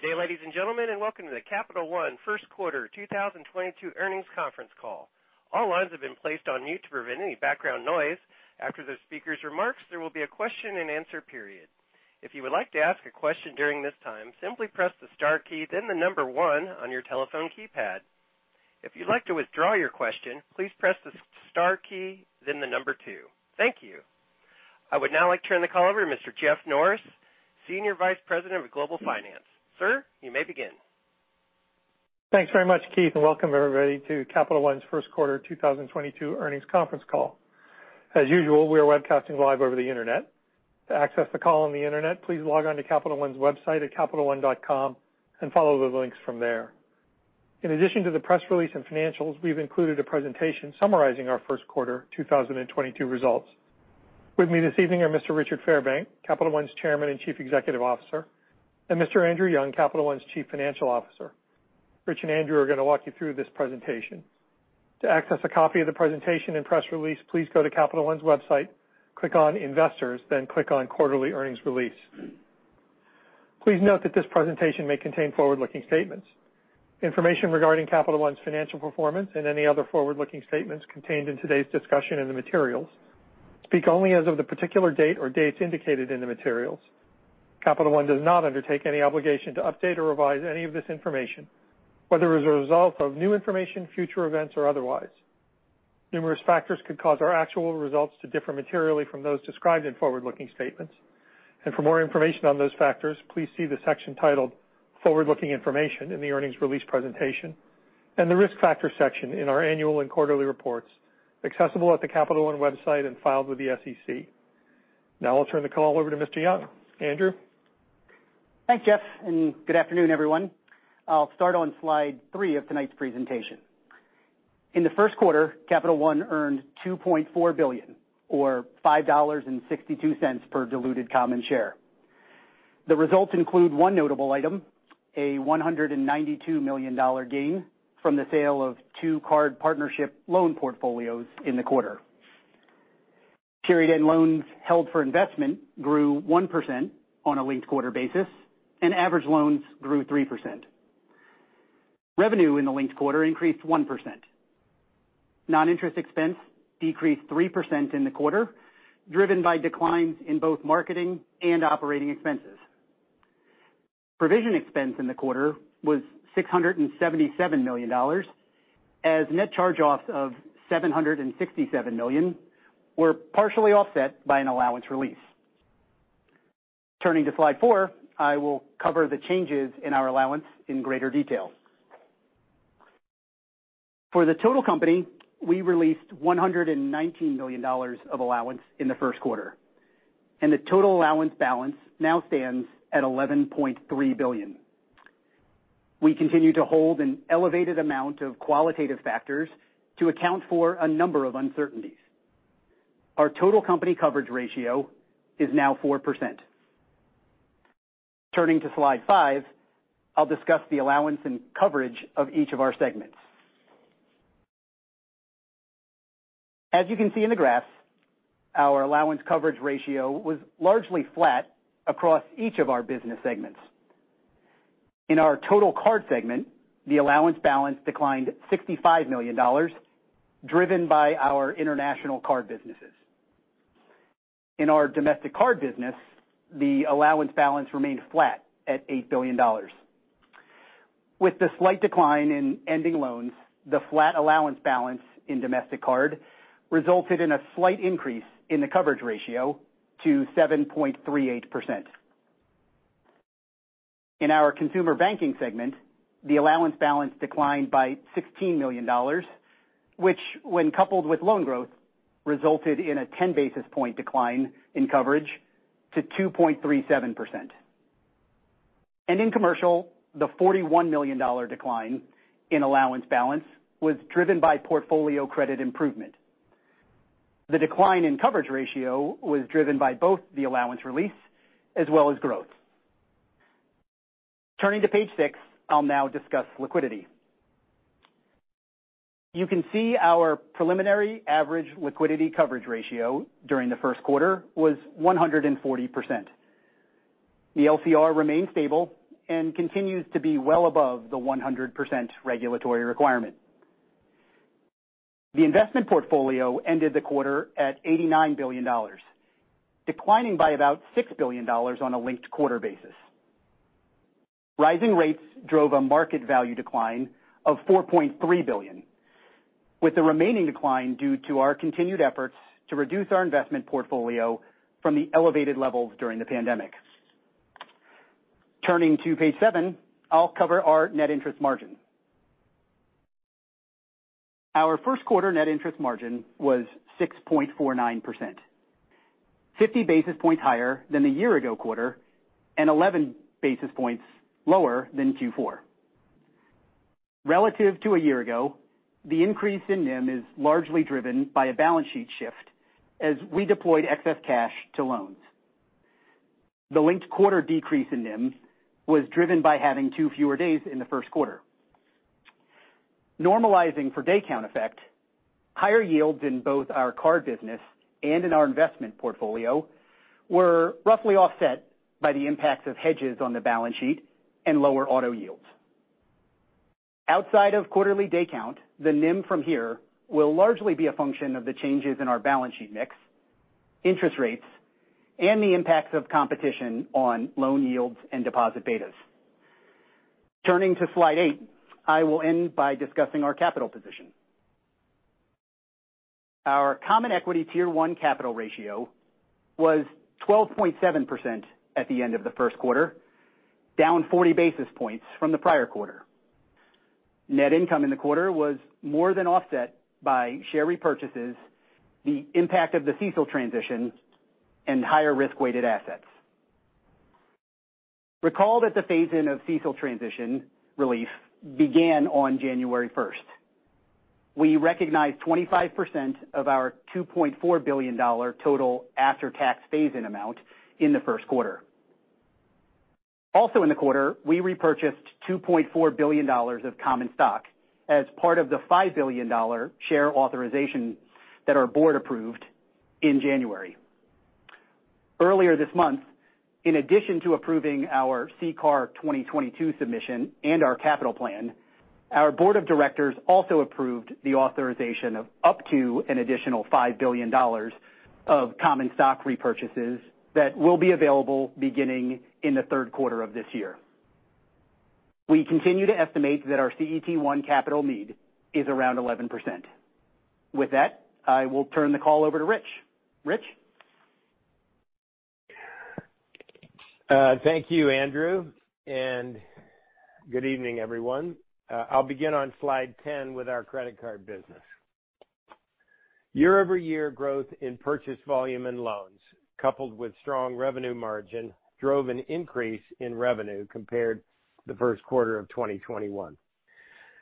Good day, ladies and gentlemen, and welcome to the Capital One first quarter 2022 earnings conference call. All lines have been placed on mute to prevent any background noise. After the speaker's remarks, there will be a question-and-answer period. If you would like to ask a question during this time, simply press the star key then the number one on your telephone keypad. If you'd like to withdraw your question, please press the star key then the number two. Thank you. I would now like to turn the call over to Mr. Jeff Norris, Senior Vice President of Global Finance. Sir, you may begin. Thanks very much, Keith, and welcome everybody to Capital One's first quarter 2022 earnings conference call. As usual, we are webcasting live over the Internet. To access the call on the Internet, please log on to Capital One's website at capitalone.com and follow the links from there. In addition to the press release and financials, we've included a presentation summarizing our first quarter 2022 results. With me this evening are Mr. Richard Fairbank, Capital One's Chairman and Chief Executive Officer, and Mr. Andrew Young, Capital One's Chief Financial Officer. Rich and Andrew are gonna walk you through this presentation. To access a copy of the presentation and press release, please go to Capital One's website, click on Investors, then click on quarterly earnings release. Please note that this presentation may contain forward-looking statements. Information regarding Capital One's financial performance and any other forward-looking statements contained in today's discussion and the materials speak only as of the particular date or dates indicated in the materials. Capital One does not undertake any obligation to update or revise any of this information, whether as a result of new information, future events, or otherwise. Numerous factors could cause our actual results to differ materially from those described in forward-looking statements. For more information on those factors, please see the section titled Forward-Looking Information in the earnings release presentation and the Risk Factors section in our annual and quarterly reports accessible at the Capital One website and filed with the SEC. Now I'll turn the call over to Mr. Young. Andrew? Thanks, Jeff, and good afternoon, everyone. I'll start on slide three of tonight's presentation. In the first quarter, Capital One earned $2.4 billion or $5.62 per diluted common share. The results include one notable item, a $192 million gain from the sale of two card partnership loan portfolios in the quarter. Period-end loans held for investment grew 1% on a linked-quarter basis, and average loans grew 3%. Revenue in the linked quarter increased 1%. Non-interest expense decreased 3% in the quarter, driven by declines in both marketing and operating expenses. Provision expense in the quarter was $677 million as net charge-offs of $767 million were partially offset by an allowance release. Turning to slide four, I will cover the changes in our allowance in greater detail. For the total company, we released $119 million of allowance in the first quarter, and the total allowance balance now stands at $11.3 billion. We continue to hold an elevated amount of qualitative factors to account for a number of uncertainties. Our total company coverage ratio is now 4%. Turning to slide five, I'll discuss the allowance and coverage of each of our segments. As you can see in the graphs, our allowance coverage ratio was largely flat across each of our business segments. In our Total Card segment, the allowance balance declined $65 million, driven by our International Card businesses. In our Domestic Card business, the allowance balance remained flat at $8 billion. With the slight decline in ending loans, the flat allowance balance in domestic card resulted in a slight increase in the coverage ratio to 7.38%. In our consumer banking segment, the allowance balance declined by $16 million, which, when coupled with loan growth, resulted in a 10 basis point decline in coverage to 2.37%. In commercial, the $41 million decline in allowance balance was driven by portfolio credit improvement. The decline in coverage ratio was driven by both the allowance release as well as growth. Turning to page six, I'll now discuss liquidity. You can see our preliminary average liquidity coverage ratio during the first quarter was 140%. The LCR remains stable and continues to be well above the 100% regulatory requirement. The investment portfolio ended the quarter at $89 billion, declining by about $6 billion on a linked-quarter basis. Rising rates drove a market value decline of $4.3 billion, with the remaining decline due to our continued efforts to reduce our investment portfolio from the elevated levels during the pandemic. Turning to page seven, I'll cover our net interest margin. Our first quarter net interest margin was 6.49%, 50 basis points higher than the year ago quarter and 11 basis points lower than Q4. Relative to a year ago, the increase in NIM is largely driven by a balance sheet shift as we deployed excess cash to loans. The linked quarter decrease in NIM was driven by having two fewer days in the first quarter. Normalizing for day count effect, higher yields in both our card business and in our investment portfolio were roughly offset by the impacts of hedges on the balance sheet and lower auto yields. Outside of quarterly day count, the NIM from here will largely be a function of the changes in our balance sheet mix, interest rates, and the impacts of competition on loan yields and deposit betas. Turning to slide eight, I will end by discussing our capital position. Our common equity tier one capital ratio was 12.7% at the end of the first quarter, down 40 basis points from the prior quarter. Net income in the quarter was more than offset by share repurchases, the impact of the CECL transition, and higher risk-weighted assets. Recall that the phase-in of CECL transition relief began on January first. We recognized 25% of our $2.4 billion total after-tax phase-in amount in the first quarter. Also in the quarter, we repurchased $2.4 billion of common stock as part of the $5 billion share authorization that our board approved in January. Earlier this month, in addition to approving our CCAR 2022 submission and our capital plan, our board of directors also approved the authorization of up to an additional $5 billion of common stock repurchases that will be available beginning in the third quarter of this year. We continue to estimate that our CET1 capital need is around 11%. With that, I will turn the call over to Rich. Rich? Thank you, Andrew, and good evening, everyone. I'll begin on slide 10 with our credit card business. Year-over-year growth in purchase volume and loans, coupled with strong revenue margin, drove an increase in revenue compared to the first quarter of 2021.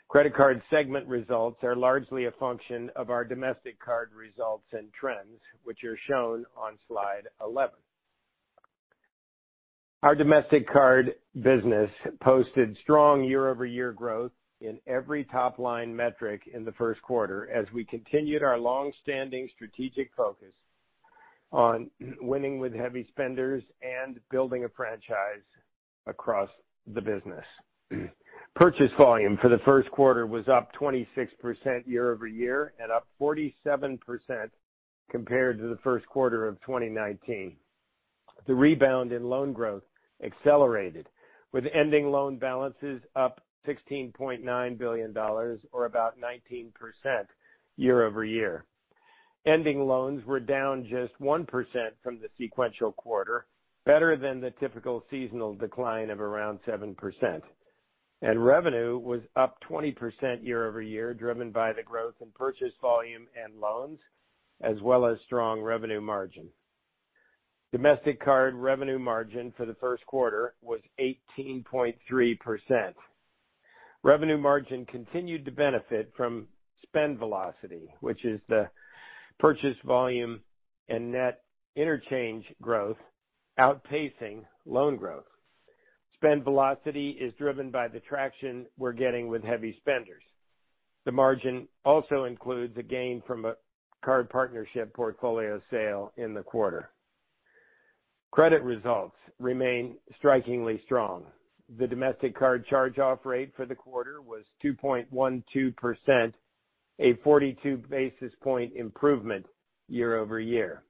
Credit card segment results are largely a function of our domestic card results and trends, which are shown on slide 11. Our domestic card business posted strong year-over-year growth in every top-line metric in the first quarter as we continued our long-standing strategic focus on winning with heavy spenders and building a franchise across the business. Purchase volume for the first quarter was up 26% year-over-year and up 47% compared to the first quarter of 2019. The rebound in loan growth accelerated, with ending loan balances up $16.9 billion or about 19% year-over-year. Ending loans were down just 1% from the sequential quarter, better than the typical seasonal decline of around 7%. Revenue was up 20% year-over-year, driven by the growth in purchase volume and loans, as well as strong revenue margin. Domestic card revenue margin for the first quarter was 18.3%. Revenue margin continued to benefit from spend velocity, which is the purchase volume and net interchange growth outpacing loan growth. Spend velocity is driven by the traction we're getting with heavy spenders. The margin also includes a gain from a card partnership portfolio sale in the quarter. Credit results remain strikingly strong. The domestic card charge-off rate for the quarter was 2.12%, a 42 basis point improvement year-over-year.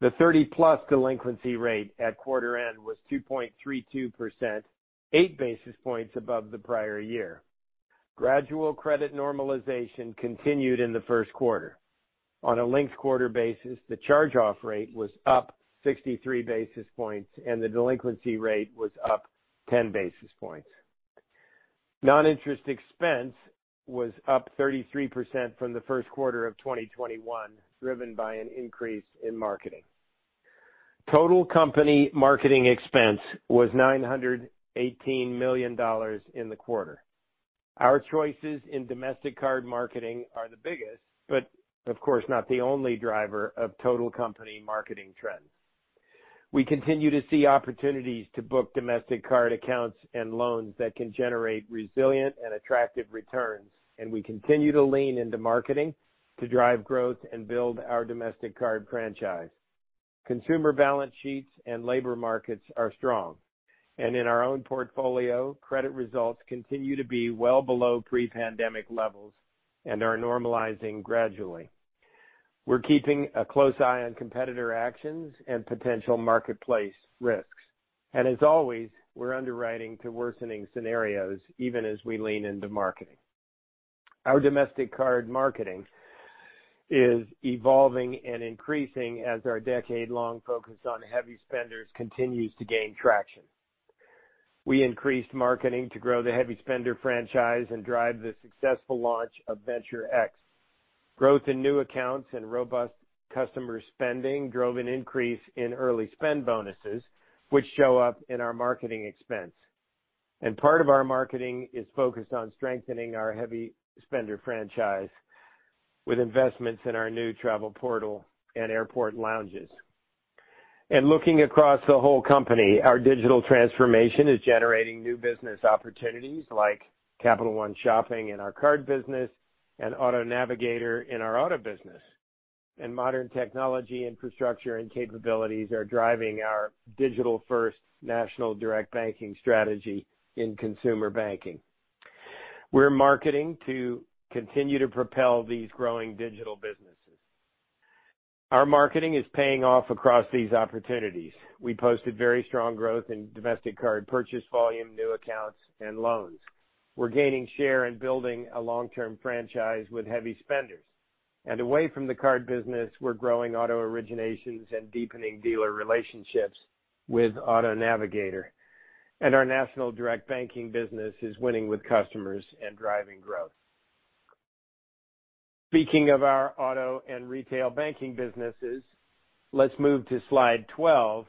The 30+ delinquency rate at quarter end was 2.32%, 8 basis points above the prior year. Gradual credit normalization continued in the first quarter. On a linked-quarter basis, the charge-off rate was up 63 basis points, and the delinquency rate was up 10 basis points. Non-interest expense was up 33% from the first quarter of 2021, driven by an increase in marketing. Total company marketing expense was $918 million in the quarter. Our choices in domestic card marketing are the biggest, but of course, not the only driver of total company marketing trends. We continue to see opportunities to book domestic card accounts and loans that can generate resilient and attractive returns, and we continue to lean into marketing to drive growth and build our domestic card franchise. Consumer balance sheets and labor markets are strong, and in our own portfolio, credit results continue to be well below pre-pandemic levels and are normalizing gradually. We're keeping a close eye on competitor actions and potential marketplace risks. As always, we're underwriting to worsening scenarios even as we lean into marketing. Our domestic card marketing is evolving and increasing as our decade-long focus on heavy spenders continues to gain traction. We increased marketing to grow the heavy spender franchise and drive the successful launch of Venture X. Growth in new accounts and robust customer spending drove an increase in early spend bonuses, which show up in our marketing expense. Part of our marketing is focused on strengthening our heavy spender franchise with investments in our new travel portal and airport lounges. Looking across the whole company, our digital transformation is generating new business opportunities like Capital One Shopping in our card business and Auto Navigator in our auto business. Modern technology infrastructure and capabilities are driving our digital-first national direct banking strategy in consumer banking. We're marketing to continue to propel these growing digital businesses. Our marketing is paying off across these opportunities. We posted very strong growth in domestic card purchase volume, new accounts, and loans. We're gaining share and building a long-term franchise with heavy spenders. Away from the card business, we're growing auto originations and deepening dealer relationships with Auto Navigator. Our national direct banking business is winning with customers and driving growth. Speaking of our auto and retail banking businesses, let's move to slide 12,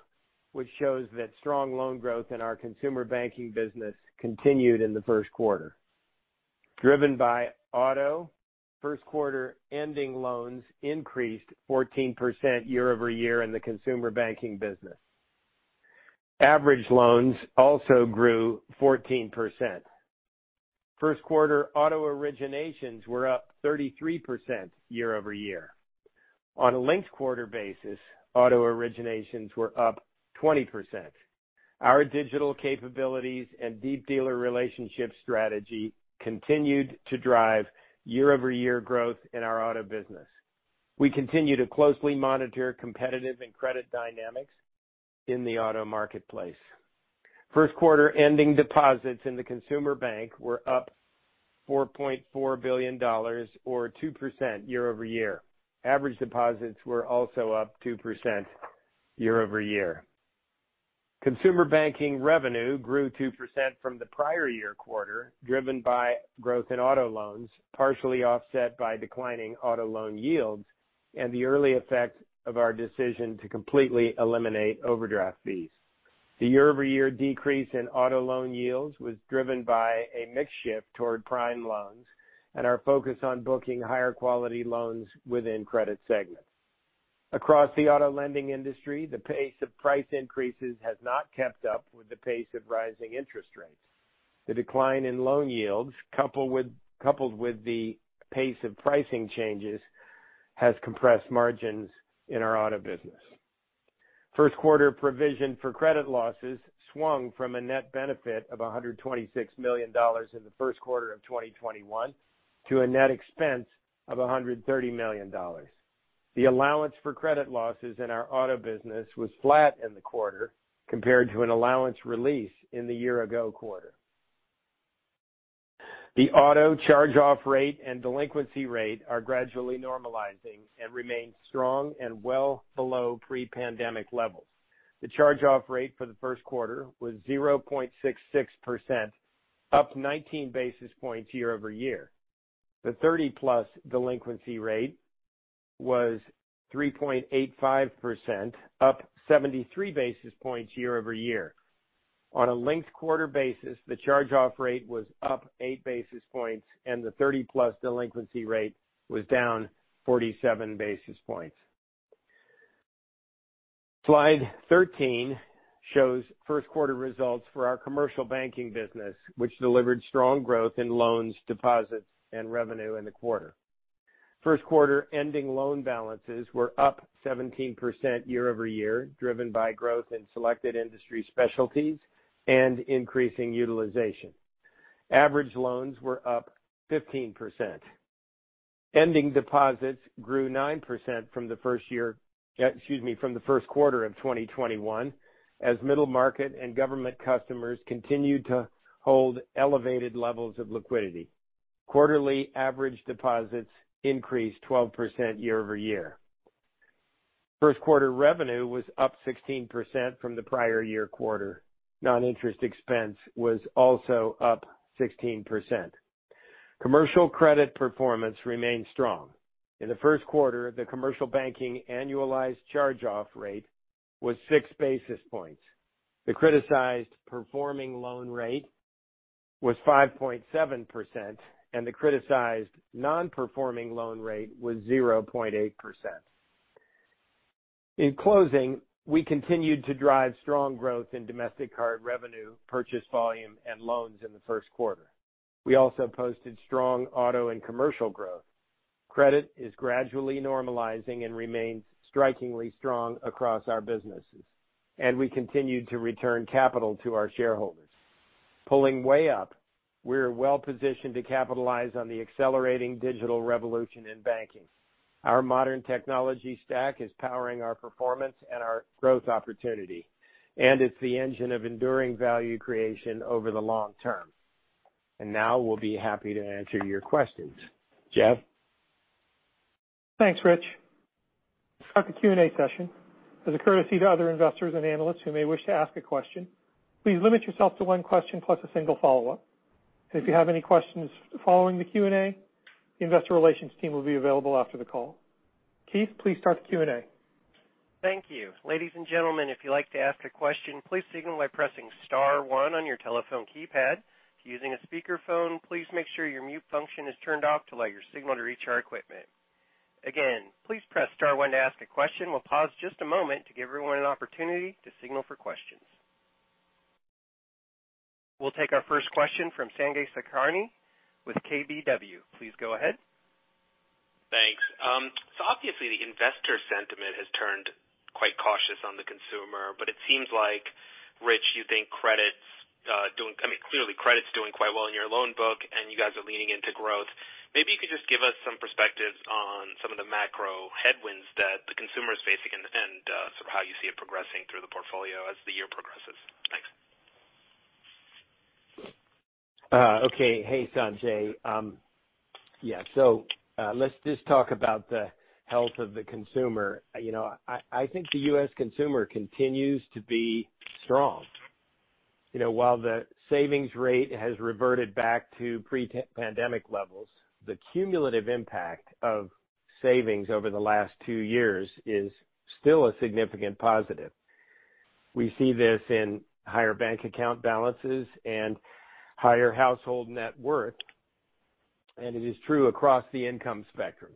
which shows that strong loan growth in our consumer banking business continued in the first quarter. Driven by auto, first quarter ending loans increased 14% year-over-year in the consumer banking business. Average loans also grew 14%. First quarter auto originations were up 33% year-over-year. On a linked-quarter basis, auto originations were up 20%. Our digital capabilities and deep dealer relationship strategy continued to drive year-over-year growth in our auto business. We continue to closely monitor competitive and credit dynamics in the auto marketplace. First quarter ending deposits in the consumer bank were up $4.4 billion or 2% year-over-year. Average deposits were also up 2% year-over-year. Consumer banking revenue grew 2% from the prior year quarter, driven by growth in auto loans, partially offset by declining auto loan yields and the early effects of our decision to completely eliminate overdraft fees. The year-over-year decrease in auto loan yields was driven by a mix shift toward prime loans and our focus on booking higher quality loans within credit segments. Across the auto lending industry, the pace of price increases has not kept up with the pace of rising interest rates. The decline in loan yields, coupled with the pace of pricing changes, has compressed margins in our auto business. First quarter provision for credit losses swung from a net benefit of $126 million in the first quarter of 2021 to a net expense of $130 million. The allowance for credit losses in our auto business was flat in the quarter compared to an allowance release in the year-ago quarter. The auto charge-off rate and delinquency rate are gradually normalizing and remain strong and well below pre-pandemic levels. The charge-off rate for the first quarter was 0.66%, up 19 basis points year-over-year. The 30+delinquency rate was 3.85%, up 73 basis points year-over-year. On a linked quarter basis, the charge-off rate was up 8 basis points, and the 30-plus delinquency rate was down 47 basis points. Slide 13 shows first quarter results for our commercial banking business, which delivered strong growth in loans, deposits, and revenue in the quarter. First quarter ending loan balances were up 17% year-over-year, driven by growth in selected industry specialties and increasing utilization. Average loans were up 15%. Ending deposits grew 9% from the first quarter of 2021, as middle market and government customers continued to hold elevated levels of liquidity. Quarterly average deposits increased 12% year-over-year. First quarter revenue was up 16% from the prior year quarter. Non-interest expense was also up 16%. Commercial credit performance remained strong. In the first quarter, the commercial banking annualized charge-off rate was 6 basis points. The criticized performing loan rate was 5.7%, and the criticized non-performing loan rate was 0.8%. In closing, we continued to drive strong growth in domestic card revenue, purchase volume, and loans in the first quarter. We also posted strong auto and commercial growth. Credit is gradually normalizing and remains strikingly strong across our businesses, and we continued to return capital to our shareholders. Pulling way up, we're well-positioned to capitalize on the accelerating digital revolution in banking. Our modern technology stack is powering our performance and our growth opportunity, and it's the engine of enduring value creation over the long term. Now we'll be happy to answer your questions. Jeff? Thanks, Rich. Start the Q&A session. As a courtesy to other investors and analysts who may wish to ask a question, please limit yourself to one question plus a single follow-up. If you have any questions following the Q&A, the investor relations team will be available after the call. Keith, please start the Q&A. Thank you. Ladies and gentlemen, if you'd like to ask a question, please signal by pressing star one on your telephone keypad. If using a speakerphone, please make sure your mute function is turned off to let your signal to reach our equipment. Again, please press star one to ask a question. We'll pause just a moment to give everyone an opportunity to signal for questions. We'll take our first question from Sanjay Sakhrani with KBW. Please go ahead. Thanks. Obviously the investor sentiment has turned quite cautious on the consumer, but it seems like, Rich, you think credit's. I mean, clearly credit's doing quite well in your loan book, and you guys are leaning into growth. Maybe you could just give us some perspectives on some of the macro headwinds that the consumer is facing and sort of how you see it progressing through the portfolio as the year progresses. Thanks. Hey, Sanjay. Yeah, let's just talk about the health of the consumer. You know, I think the U.S. consumer continues to be strong. You know, while the savings rate has reverted back to pre-pandemic levels, the cumulative impact of savings over the last two years is still a significant positive. We see this in higher bank account balances and higher household net worth, and it is true across the income spectrum.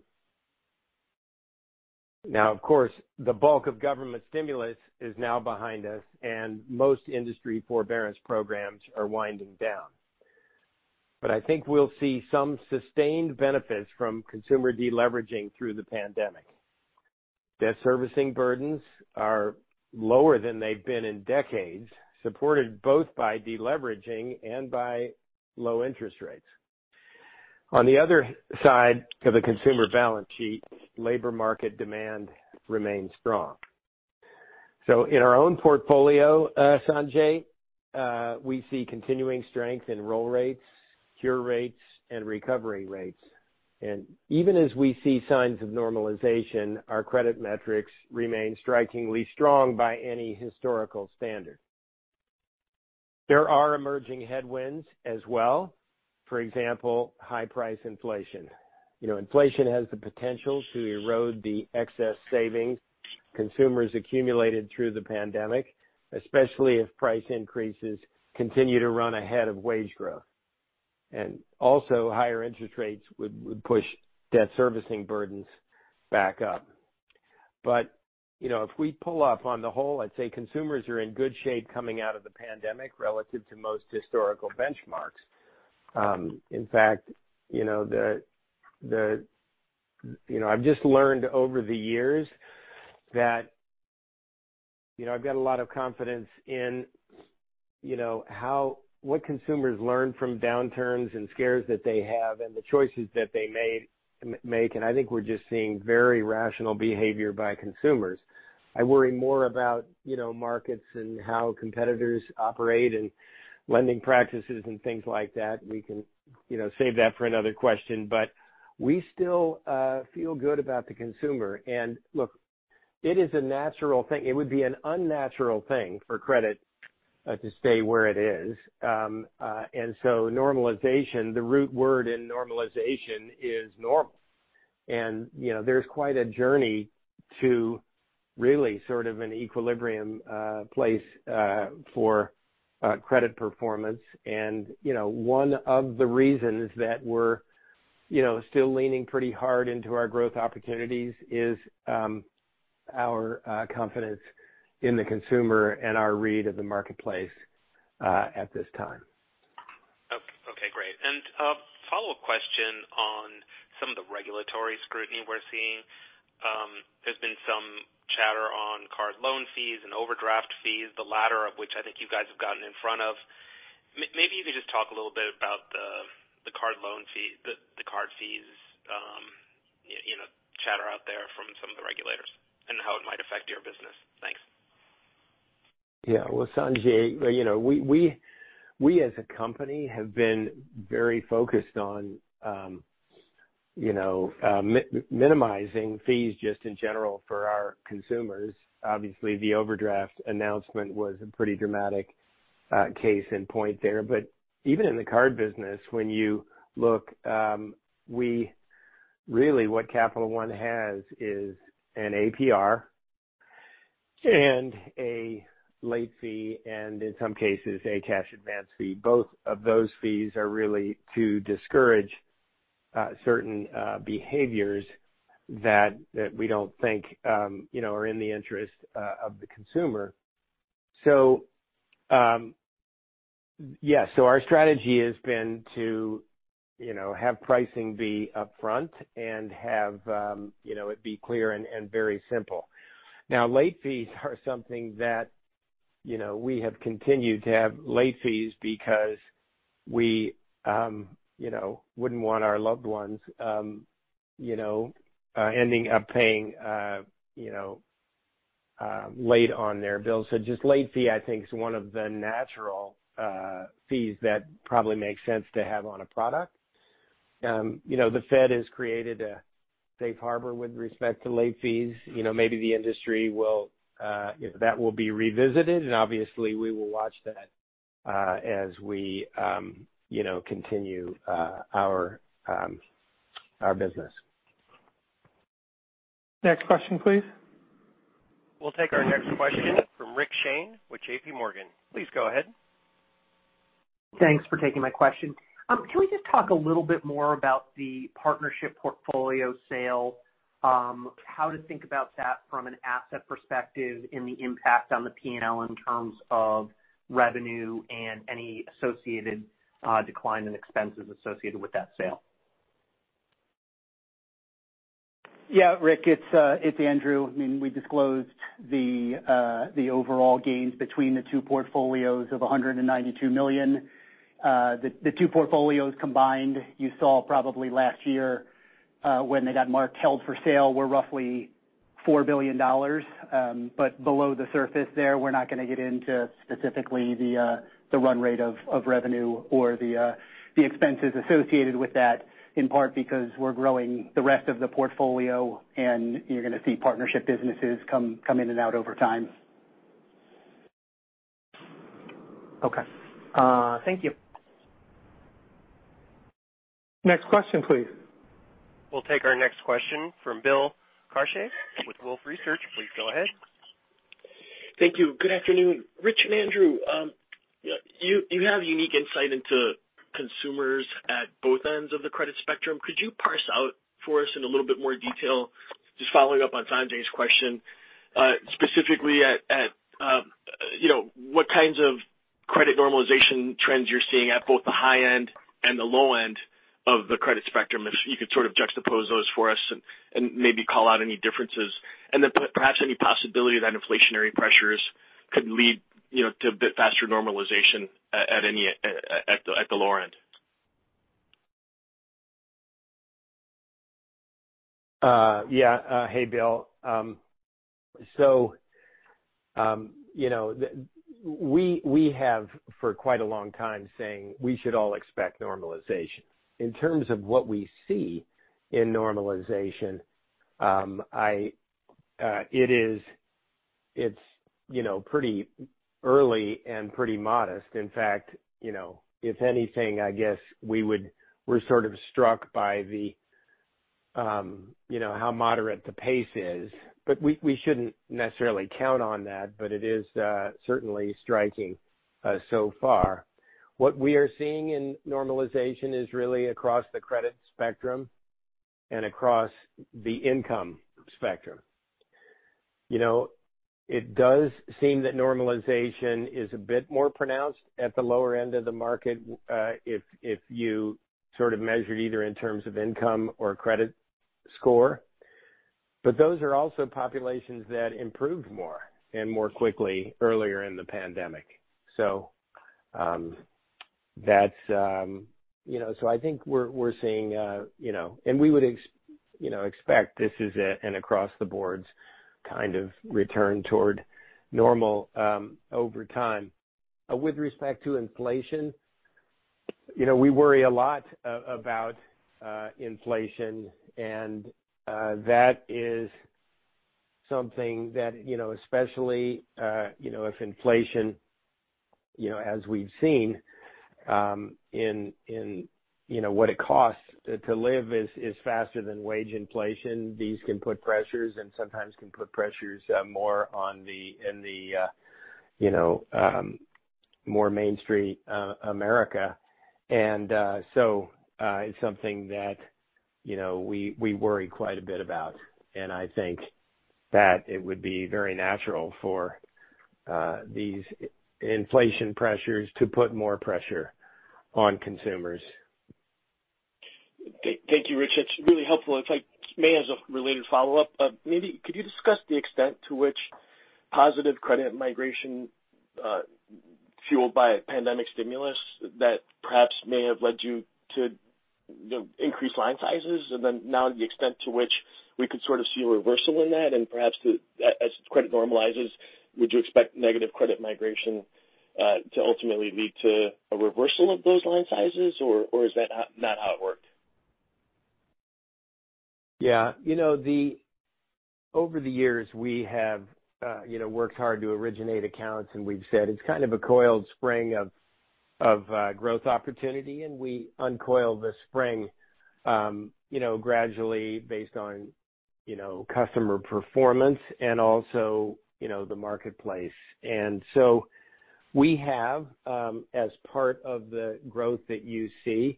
Now, of course, the bulk of government stimulus is now behind us, and most industry forbearance programs are winding down. I think we'll see some sustained benefits from consumer deleveraging through the pandemic. Debt servicing burdens are lower than they've been in decades, supported both by deleveraging and by low interest rates. On the other side of the consumer balance sheet, labor market demand remains strong. In our own portfolio, Sanjay, we see continuing strength in roll rates, cure rates, and recovery rates. Even as we see signs of normalization, our credit metrics remain strikingly strong by any historical standard. There are emerging headwinds as well, for example, high price inflation. You know, inflation has the potential to erode the excess savings consumers accumulated through the pandemic, especially if price increases continue to run ahead of wage growth. Also higher interest rates would push debt servicing burdens back up. You know, if we pull up on the whole, I'd say consumers are in good shape coming out of the pandemic relative to most historical benchmarks. In fact, you know, the... You know, I've just learned over the years that, you know, I've got a lot of confidence in, you know, what consumers learn from downturns and scares that they have and the choices that they made. I think we're just seeing very rational behavior by consumers. I worry more about, you know, markets and how competitors operate and lending practices and things like that. We can, you know, save that for another question. We still feel good about the consumer. Look, it is a natural thing. It would be an unnatural thing for credit to stay where it is. Normalization, the root word in normalization, is normal. You know, there's quite a journey to really sort of an equilibrium place for credit performance you know, one of the reasons that we're, you know, still leaning pretty hard into our growth opportunities is our confidence in the consumer and our read of the marketplace at this time. Okay, great. A follow-up question on some of the regulatory scrutiny we're seeing. There's been some chatter on card loan fees and overdraft fees, the latter of which I think you guys have gotten in front of. Maybe you could just talk a little bit about the card fees, you know, chatter out there from some of the regulators and how it might affect your business. Thanks. Yeah. Well, Sanjay, you know, we as a company have been very focused on, you know, minimizing fees just in general for our consumers. Obviously, the overdraft announcement was a pretty dramatic case in point there. But even in the card business, when you look, really what Capital One has is an APR and a late fee and in some cases a cash advance fee. Both of those fees are really to discourage certain behaviors that we don't think, you know, are in the interest of the consumer. Yes, so our strategy has been to, you know, have pricing be upfront and have, you know, it be clear and very simple. Now, late fees are something that, you know, we have continued to have late fees because we, you know, wouldn't want our loved ones, you know, ending up paying, you know, late on their bills. Just late fee, I think is one of the natural fees that probably makes sense to have on a product. You know, the Fed has created a safe harbor with respect to late fees. You know, maybe the industry will, if that will be revisited, and obviously we will watch that, as we, you know, continue our business. Next question, please. We'll take our next question from Rick Shane with JPMorgan. Please go ahead. Thanks for taking my question. Can we just talk a little bit more about the partnership portfolio sale, how to think about that from an asset perspective and the impact on the P&L in terms of revenue and any associated, decline in expenses associated with that sale? Yeah, Rick, it's Andrew. I mean, we disclosed the overall gains between the two portfolios of $192 million. The two portfolios combined, you saw probably last year, when they got marked held for sale, were roughly $4 billion. Below the surface there, we're not gonna get into specifically the run rate of revenue or the expenses associated with that, in part because we're growing the rest of the portfolio and you're gonna see partnership businesses come in and out over time. Okay. Thank you. Next question, please. We'll take our next question from Bill Carcache with Wolfe Research. Please go ahead. Thank you. Good afternoon. Rich and Andrew, you have unique insight into consumers at both ends of the credit spectrum. Could you parse out for us in a little bit more detail, just following up on Sanjay's question, specifically, you know, what kinds of credit normalization trends you're seeing at both the high end and the low end of the credit spectrum? If you could sort of juxtapose those for us and maybe call out any differences. Then perhaps any possibility that inflationary pressures could lead, you know, to a bit faster normalization at the lower end. Yeah. Hey, Bill. You know, we have for quite a long time saying we should all expect normalization. In terms of what we see in normalization, it's you know, pretty early and pretty modest. In fact, you know, if anything, I guess we're sort of struck by you know, how moderate the pace is. We shouldn't necessarily count on that, but it is certainly striking so far. What we are seeing in normalization is really across the credit spectrum and across the income spectrum. You know, it does seem that normalization is a bit more pronounced at the lower end of the market, if you sort of measure it either in terms of income or credit score. Those are also populations that improved more and more quickly earlier in the pandemic. That's you know so I think we're seeing you know. We would expect this is an across the board kind of return toward normal over time. With respect to inflation, you know, we worry a lot about inflation, and that is something that, you know, especially, you know, if inflation, you know, as we've seen, in you know what it costs to live is faster than wage inflation. These can put pressures and sometimes can put pressures more on the, in the, more Main Street America. It's something that, you know, we worry quite a bit about. I think that it would be very natural for these inflation pressures to put more pressure on consumers. Thank you, Rich. That's really helpful. If I may, as a related follow-up, maybe could you discuss the extent to which positive credit migration, fueled by pandemic stimulus that perhaps may have led you to increase line sizes? Then now the extent to which we could sort of see a reversal in that, and perhaps as credit normalizes, would you expect negative credit migration to ultimately lead to a reversal of those line sizes, or is that not how it worked? Yeah. You know, over the years, we have, you know, worked hard to originate accounts, and we've said it's kind of a coiled spring of growth opportunity, and we uncoil the spring, you know, gradually based on, you know, customer performance and also, you know, the marketplace. We have, as part of the growth that you see,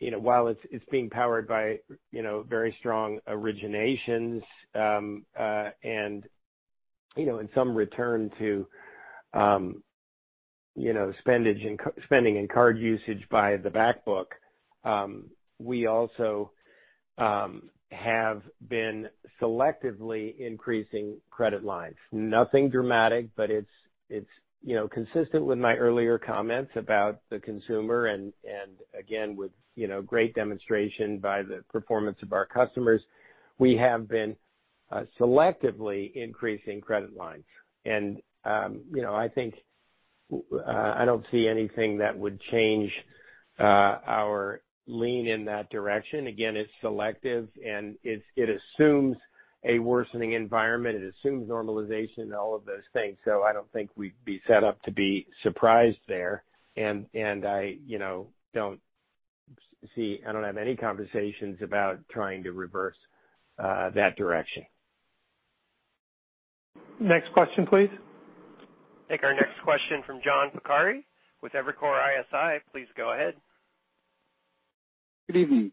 you know, while it's being powered by, you know, very strong originations, and, you know, in some return to, you know, spending and card usage by the back book, we also have been selectively increasing credit lines. Nothing dramatic, but it's, you know, consistent with my earlier comments about the consumer and again, with, you know, great demonstration by the performance of our customers. We have been selectively increasing credit lines. You know, I think I don't see anything that would change our lean in that direction. Again, it's selective and it assumes a worsening environment, it assumes normalization and all of those things. I don't think we'd be set up to be surprised there. You know, I don't see. I don't have any conversations about trying to reverse that direction. Next question, please. Take our next question from John Pancari with Evercore ISI. Please go ahead. Good evening.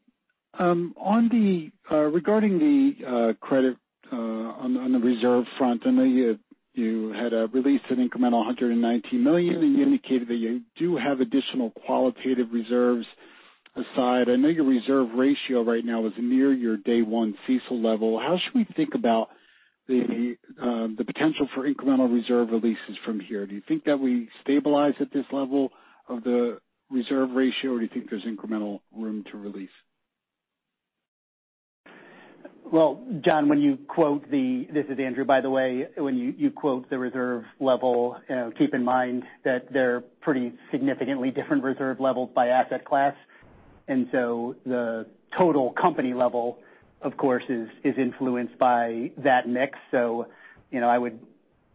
Regarding the credit. On the reserve front, I know you had released an incremental $119 million, and you indicated that you do have additional qualitative reserves aside. I know your reserve ratio right now is near your day one CECL level. How should we think about the potential for incremental reserve releases from here? Do you think that we stabilize at this level of the reserve ratio or do you think there's incremental room to release? Well, John, this is Andrew, by the way. When you quote the reserve level, you know, keep in mind that they're pretty significantly different reserve levels by asset class. The total company level, of course, is influenced by that mix. You know, I would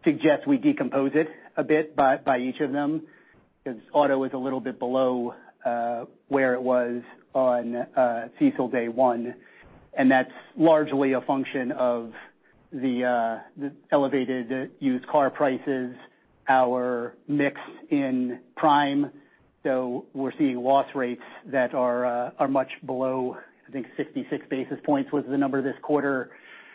suggest we decompose it a bit by each of them because auto is a little bit below where it was on CECL day one, and that's largely a function of the elevated used car prices, our mix in prime. We're seeing loss rates that are much below. I think 66 basis points was the number this quarter.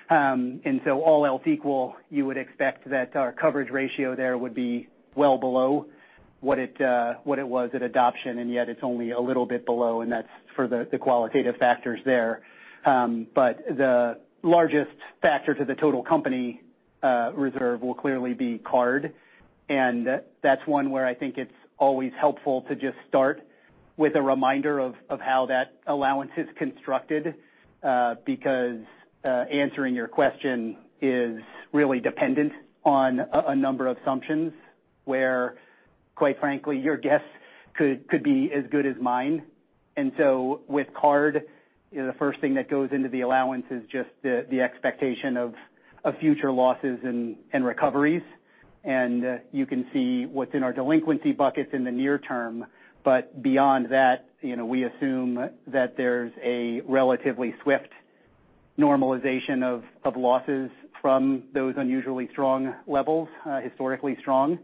All else equal, you would expect that our coverage ratio there would be well below what it was at adoption, and yet it's only a little bit below, and that's for the qualitative factors there. The largest factor to the total company reserve will clearly be card. That's one where I think it's always helpful to just start with a reminder of how that allowance is constructed, because answering your question is really dependent on a number of assumptions where quite frankly, your guess could be as good as mine. With card, you know, the first thing that goes into the allowance is just the expectation of future losses and recoveries. You can see what's in our delinquency buckets in the near term. Beyond that, you know, we assume that there's a relatively swift normalization of losses from those unusually strong levels, historically strong.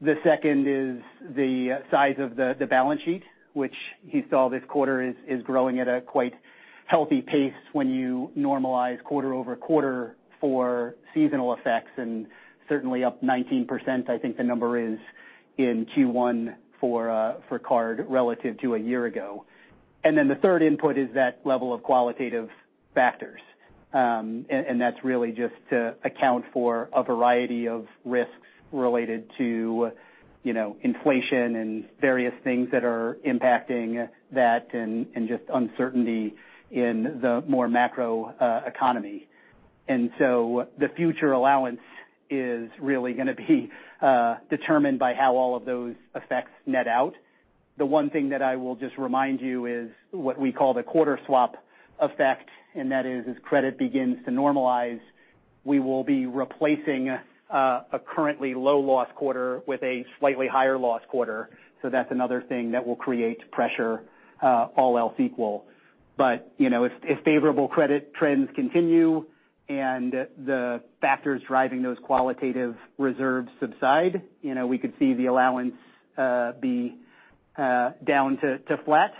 The second is the size of the balance sheet, which you saw this quarter is growing at a quite healthy pace when you normalize quarter-over-quarter for seasonal effects and certainly up 19%, I think the number is in Q1 for card relative to a year ago. Then the third input is that level of qualitative factors. And that's really just to account for a variety of risks related to, you know, inflation and various things that are impacting that and just uncertainty in the more macro economy. The future allowance is really gonna be determined by how all of those effects net out. The one thing that I will just remind you is what we call the quarter swap effect, and that is as credit begins to normalize, we will be replacing a currently low loss quarter with a slightly higher loss quarter. That's another thing that will create pressure, all else equal. You know, if favorable credit trends continue and the factors driving those qualitative reserves subside, you know, we could see the allowance be down to flat.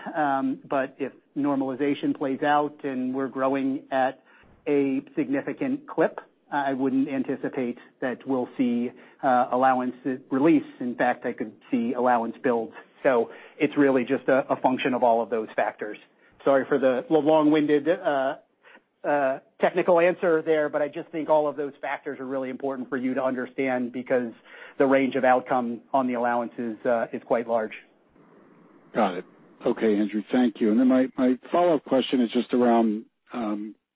If normalization plays out and we're growing at a significant clip, I wouldn't anticipate that we'll see allowance release. In fact, I could see allowance build. It's really just a function of all of those factors. Sorry for the long-winded, technical answer there, but I just think all of those factors are really important for you to understand because the range of outcome on the allowances is quite large. Got it. Okay, Andrew. Thank you. My follow-up question is just around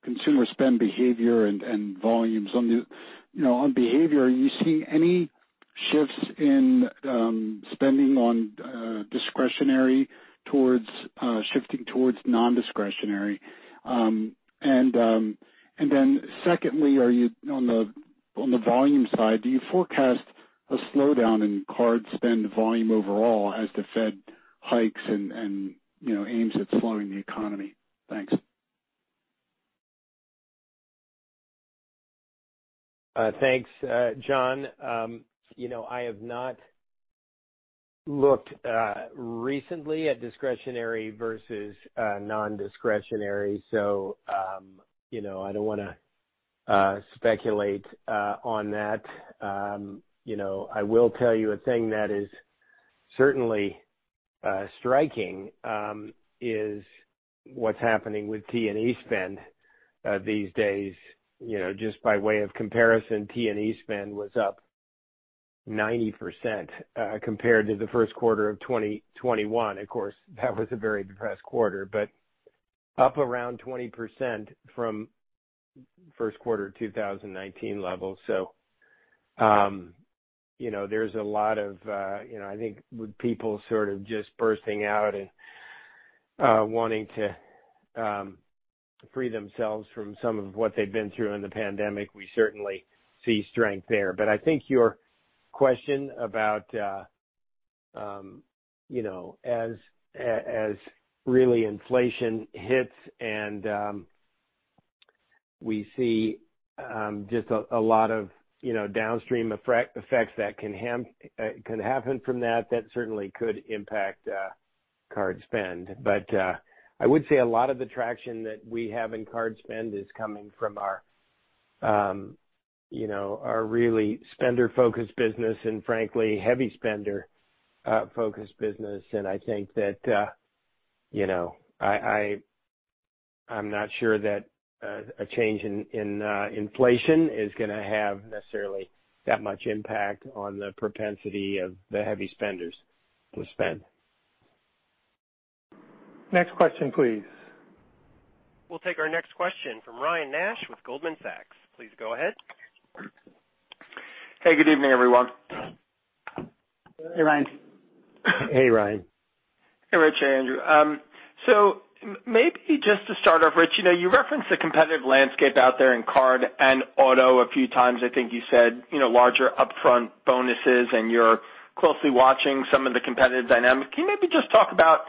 consumer spend behavior and volumes. On the, you know, on behavior, are you seeing any shifts in spending on discretionary towards shifting towards non-discretionary? On the volume side, do you forecast a slowdown in card spend volume overall as the Fed hikes and you know, aims at slowing the economy? Thanks. Thanks, John. You know, I have not looked recently at discretionary versus non-discretionary, so you know, I don't wanna speculate on that. You know, I will tell you a thing that is certainly striking is what's happening with T&E spend these days. You know, just by way of comparison, T&E spend was up 90% compared to the first quarter of 2021. Of course, that was a very depressed quarter, but up around 20% from first quarter 2019 levels. You know, there's a lot of you know, I think with people sort of just bursting out and wanting to free themselves from some of what they've been through in the pandemic, we certainly see strength there. I think your question about, you know, as real inflation hits and, we see, just a lot of, you know, downstream effects that can happen from that certainly could impact card spend. I would say a lot of the traction that we have in card spend is coming from our, you know, our really spender-focused business and frankly, heavy spender, focused business. I think that, you know, I'm not sure that a change in inflation is gonna have necessarily that much impact on the propensity of the heavy spenders to spend. Next question, please. We'll take our next question from Ryan Nash with Goldman Sachs. Please go ahead. Hey, good evening, everyone. Hey, Ryan. Hey, Ryan. Hey, Rich, Andrew. Maybe just to start off, Rich, you know, you referenced the competitive landscape out there in card and auto a few times. I think you said, you know, larger upfront bonuses and you're closely watching some of the competitive dynamics. Can you maybe just talk about,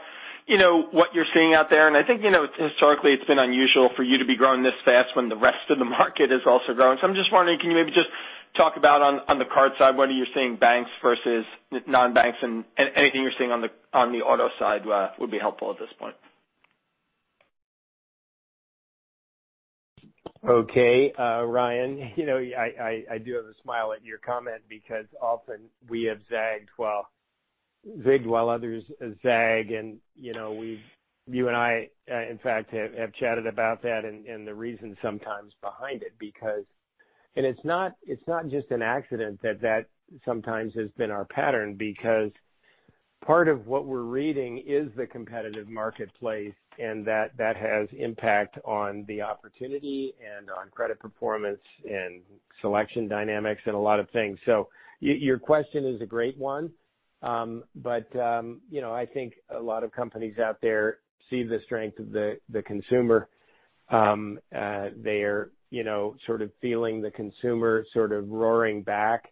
you know, what you're seeing out there? I think, you know, historically it's been unusual for you to be growing this fast when the rest of the market is also growing. I'm just wondering, can you maybe just talk about on the card side, what are you seeing banks versus non-banks and anything you're seeing on the auto side would be helpful at this point. Okay, Ryan, I do have a smile at your comment because often we have zigged while others zag. You and I in fact have chatted about that and the reason sometimes behind it because it's not just an accident that sometimes has been our pattern, because part of what we're reading is the competitive marketplace, and that has impact on the opportunity and on credit performance and selection dynamics and a lot of things. Your question is a great one. I think a lot of companies out there see the strength of the consumer. They're sort of feeling the consumer sort of roaring back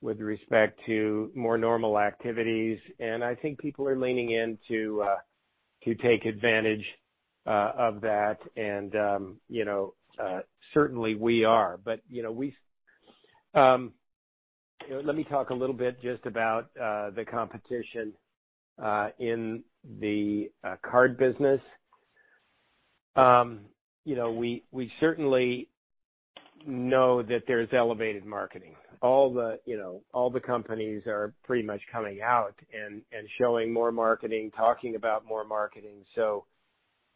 with respect to more normal activities. I think people are leaning in to take advantage of that. You know, certainly we are. You know, we let me talk a little bit just about the competition in the card business. You know, we certainly know that there's elevated marketing. All the companies are pretty much coming out and showing more marketing, talking about more marketing.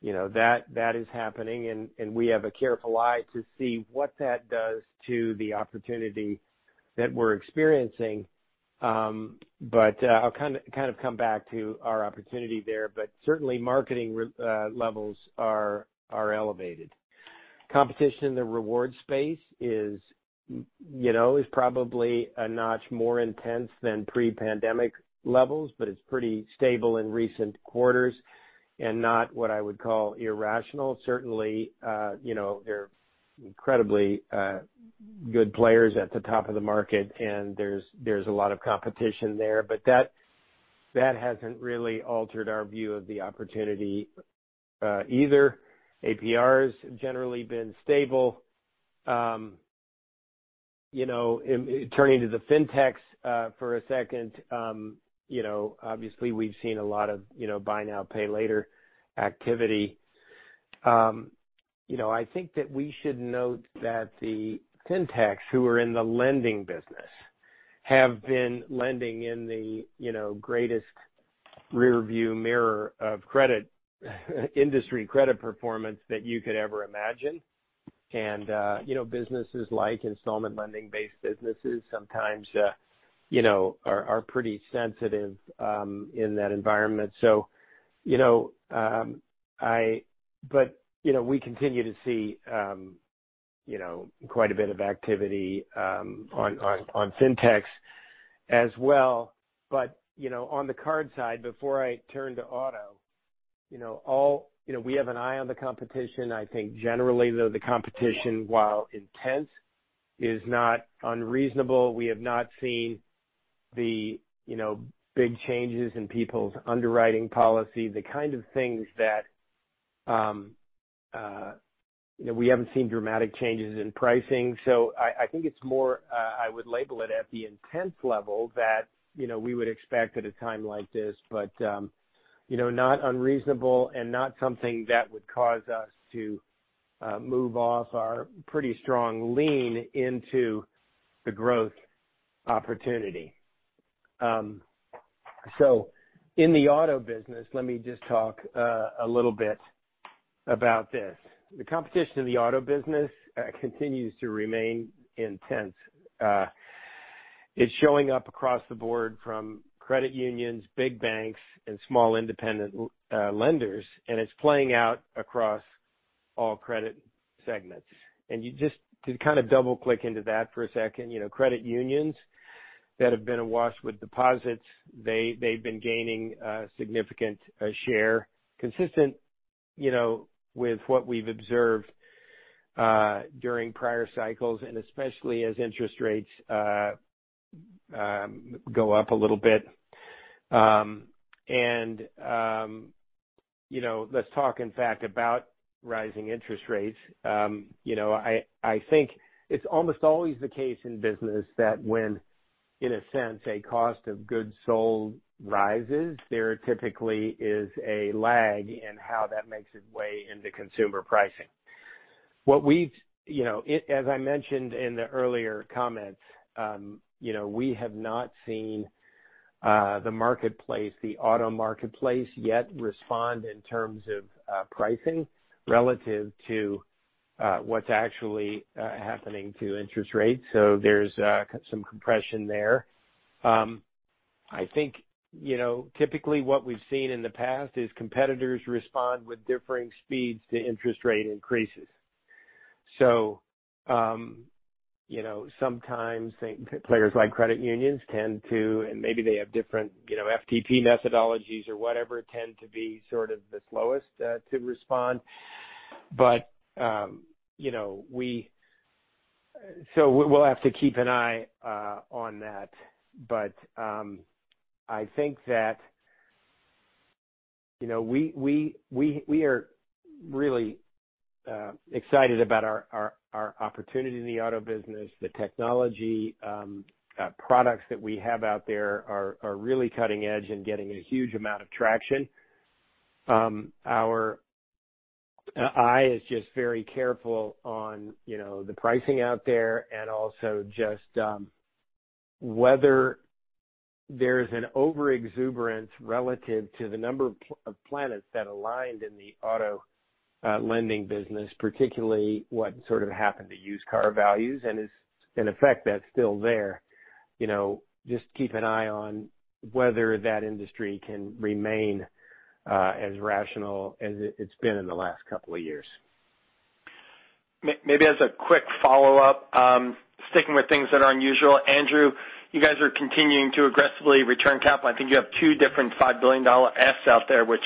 You know, that is happening. We have a careful eye to see what that does to the opportunity that we're experiencing. I'll kind of come back to our opportunity there. Certainly marketing levels are elevated. Competition in the reward space is, you know, probably a notch more intense than pre-pandemic levels, but it's pretty stable in recent quarters and not what I would call irrational. Certainly, you know, they're incredibly good players at the top of the market, and there's a lot of competition there. That hasn't really altered our view of the opportunity, either. APRs have generally been stable. Turning to the Fintechs, for a second, you know, obviously we've seen a lot of, you know, buy now, pay later activity. You know, I think that we should note that the Fintechs who are in the lending business have been lending in the, you know, greatest rearview mirror of credit, industry credit performance that you could ever imagine. You know, businesses like installment lending-based businesses sometimes you know are pretty sensitive in that environment. You know, we continue to see you know quite a bit of activity on Fintechs as well. You know, on the card side, before I turn to auto, you know all you know we have an eye on the competition. I think generally though, the competition, while intense, is not unreasonable. We have not seen you know big changes in people's underwriting policy, the kind of things that you know we haven't seen dramatic changes in pricing. I think it's more. I would label it at the intense level that you know we would expect at a time like this, but you know not unreasonable and not something that would cause us to move off our pretty strong lean into the growth opportunity. In the auto business, let me just talk a little bit about this. The competition in the auto business continues to remain intense. It's showing up across the board from credit unions, big banks, and small independent lenders, and it's playing out across all credit segments. You just to kind of double-click into that for a second, you know, credit unions that have been awash with deposits, they've been gaining significant share consistent, you know, with what we've observed during prior cycles and especially as interest rates go up a little bit. You know, let's talk in fact about rising interest rates. You know, I think it's almost always the case in business that when, in a sense, a cost of goods sold rises, there typically is a lag in how that makes its way into consumer pricing. What we've you know, as I mentioned in the earlier comments, you know, we have not seen the marketplace, the auto marketplace yet respond in terms of pricing relative to what's actually happening to interest rates. There's some compression there. I think, you know, typically what we've seen in the past is competitors respond with differing speeds to interest rate increases. You know, sometimes players like credit unions tend to, and maybe they have different, you know, FTP methodologies or whatever, tend to be sort of the slowest to respond. You know, so we'll have to keep an eye on that. I think that, you know, we are really excited about our opportunity in the auto business. The technology products that we have out there are really cutting edge and getting a huge amount of traction. Our eye is just very careful on, you know, the pricing out there and also just, whether there's an overexuberance relative to the number of planets that aligned in the auto lending business, particularly what sort of happened to used car values and is an effect that's still there. You know, just keep an eye on whether that industry can remain, as rational as it's been in the last couple of years. Maybe as a quick follow-up, sticking with things that are unusual, Andrew, you guys are continuing to aggressively return capital. I think you have two different $5 billion share repurchase authorizations out there, which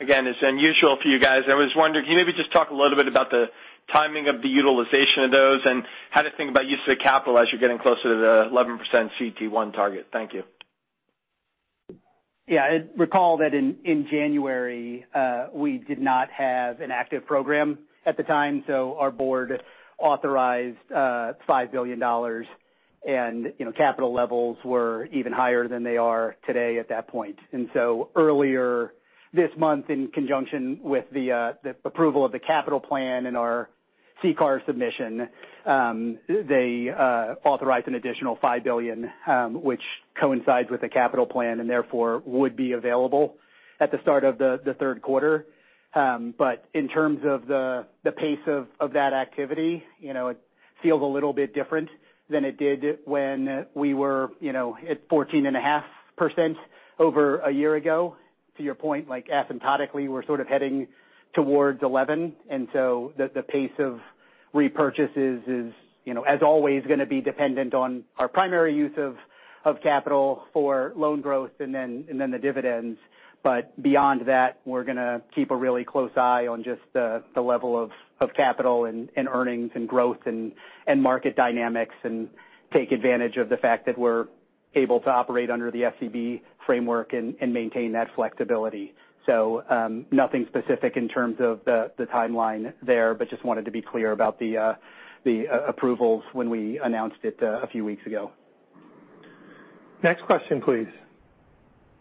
again, is unusual for you guys. I was wondering, can you maybe just talk a little bit about the timing of the utilization of those and how to think about use of the capital as you're getting closer to the 11% CET1 target? Thank you. Yeah. Recall that in January, we did not have an active program at the time, so our board authorized $5 billion and, you know, capital levels were even higher than they are today at that point. Earlier this month, in conjunction with the approval of the capital plan and our CCAR submission, they authorized an additional $5 billion, which coincides with the capital plan and therefore would be available at the start of the third quarter. In terms of the pace of that activity, you know, it feels a little bit different than it did when we were, you know, at 14.5% over a year ago. To your point, like asymptotically, we're sort of heading towards 11, and so the pace of repurchases is, you know, as always gonna be dependent on our primary use of capital for loan growth and then the dividends. Beyond that, we're gonna keep a really close eye on just the level of capital and earnings and growth and market dynamics and take advantage of the fact that we're able to operate under the SCB framework and maintain that flexibility. Nothing specific in terms of the timeline there, but just wanted to be clear about the approvals when we announced it, a few weeks ago. Next question, please.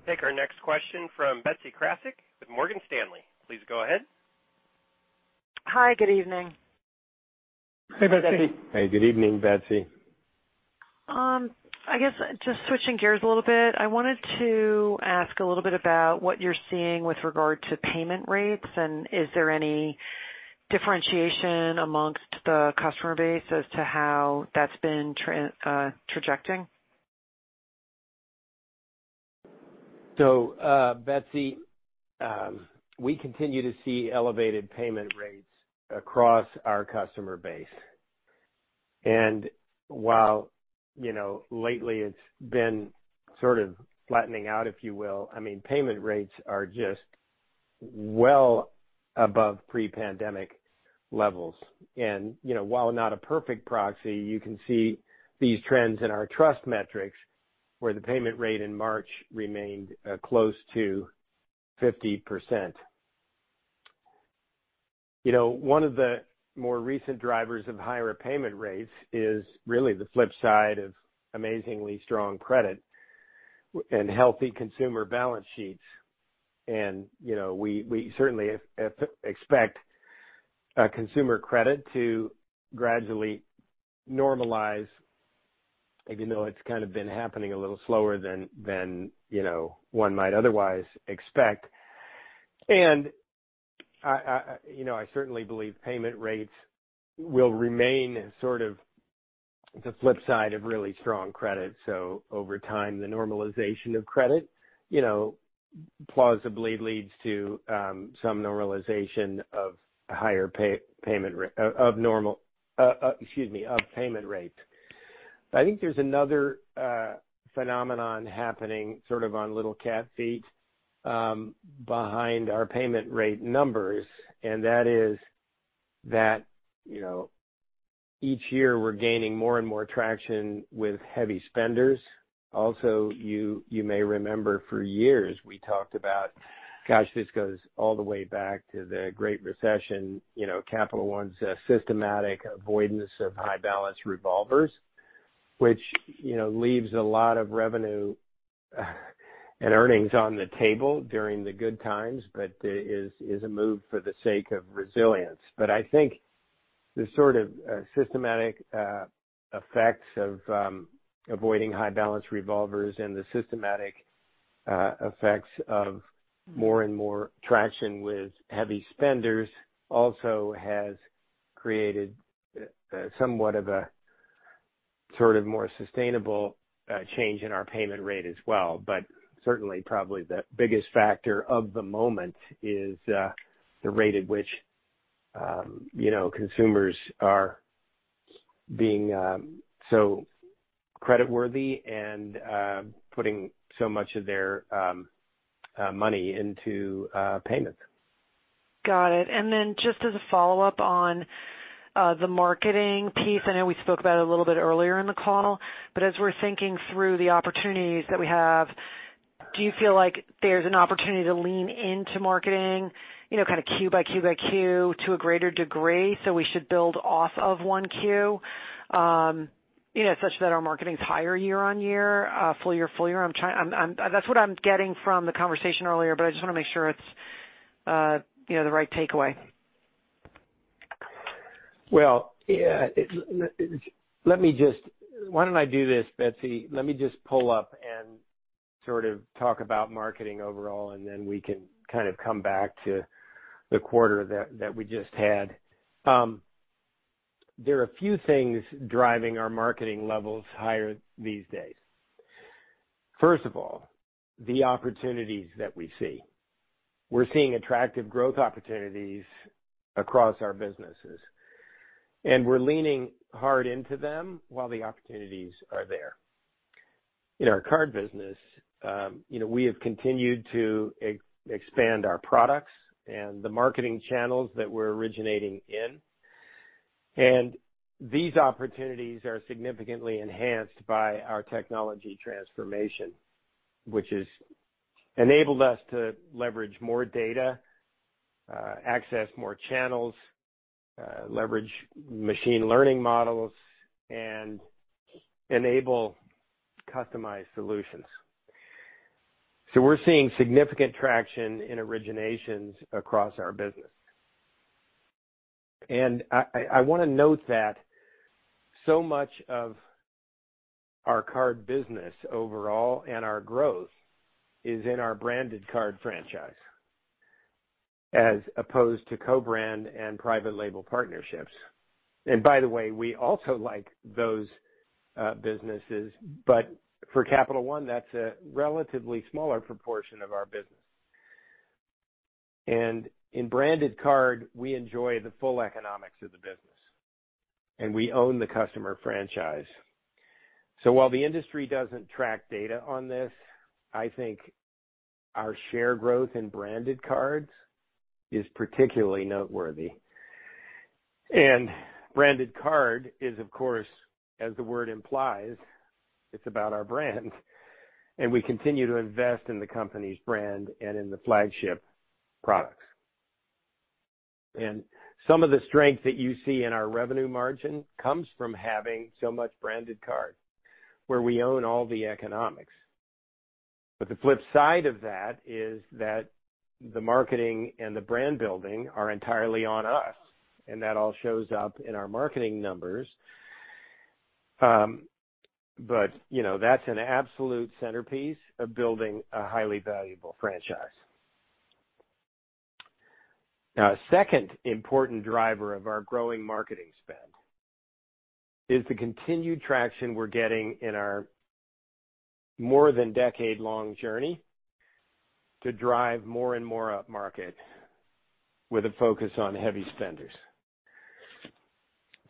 Take our next question from Betsy Graseck with Morgan Stanley. Please go ahead. Hi. Good evening. Hey, Betsy. Hey, Betsy. Hey, good evening, Betsy. I guess just switching gears a little bit. I wanted to ask a little bit about what you're seeing with regard to payment rates, and is there any differentiation amongst the customer base as to how that's been trending? Betsy, we continue to see elevated payment rates across our customer base. While, you know, lately it's been sort of flattening out, if you will, I mean, payment rates are just well above pre-pandemic levels. You know, while not a perfect proxy, you can see these trends in our trust metrics, where the payment rate in March remained close to 50%. You know, one of the more recent drivers of higher payment rates is really the flip side of amazingly strong credit and healthy consumer balance sheets. You know, we certainly expect consumer credit to gradually normalize, even though it's kind of been happening a little slower than you know, one might otherwise expect. You know, I certainly believe payment rates will remain sort of the flip side of really strong credit. Over time, the normalization of credit, you know, plausibly leads to some normalization of higher payment rates. I think there's another phenomenon happening sort of on little cat feet behind our payment rate numbers, and that is that, you know, each year we're gaining more and more traction with heavy spenders. Also, you may remember for years we talked about, gosh, this goes all the way back to the Great Recession, you know, Capital One's systematic avoidance of high balance revolvers, which, you know, leaves a lot of revenue and earnings on the table during the good times, but is a move for the sake of resilience. I think the sort of systematic effects of avoiding high balance revolvers and the systematic effects of more and more traction with heavy spenders also has created somewhat of a sort of more sustainable change in our payment rate as well. Certainly probably the biggest factor of the moment is the rate at which you know consumers are being so creditworthy and putting so much of their money into payments. Got it. Just as a follow-up on the marketing piece, I know we spoke about it a little bit earlier in the call, but as we're thinking through the opportunities that we have, do you feel like there's an opportunity to lean into marketing, you know, kind of quarter-by-quarter-by-quarter to a greater degree, so we should build off of one Q, you know, such that our marketing is higher year-on-year, full-year? That's what I'm getting from the conversation earlier, but I just want to make sure it's, you know, the right takeaway. Well, yeah. Why don't I do this, Betsy? Let me just pull up and sort of talk about marketing overall, and then we can kind of come back to the quarter that we just had. There are a few things driving our marketing levels higher these days. First of all, the opportunities that we see. We're seeing attractive growth opportunities across our businesses, and we're leaning hard into them while the opportunities are there. In our card business, you know, we have continued to expand our products and the marketing channels that we're originating in. These opportunities are significantly enhanced by our technology transformation, which has enabled us to leverage more data, access more channels, leverage machine learning models, and enable customized solutions. We're seeing significant traction in originations across our business. I want to note that so much of our card business overall and our growth is in our branded card franchise, as opposed to co-brand and private label partnerships. By the way, we also like those businesses. For Capital One, that's a relatively smaller proportion of our business. In branded card, we enjoy the full economics of the business, and we own the customer franchise. While the industry doesn't track data on this, I think our share growth in branded cards is particularly noteworthy. Branded card is, of course, as the word implies, it's about our brand. We continue to invest in the company's brand and in the flagship products. Some of the strength that you see in our revenue margin comes from having so much branded card where we own all the economics. The flip side of that is that the marketing and the brand building are entirely on us, and that all shows up in our marketing numbers. You know, that's an absolute centerpiece of building a highly valuable franchise. Now, a second important driver of our growing marketing spend is the continued traction we're getting in our more than decade-long journey to drive more and more upmarket with a focus on heavy spenders.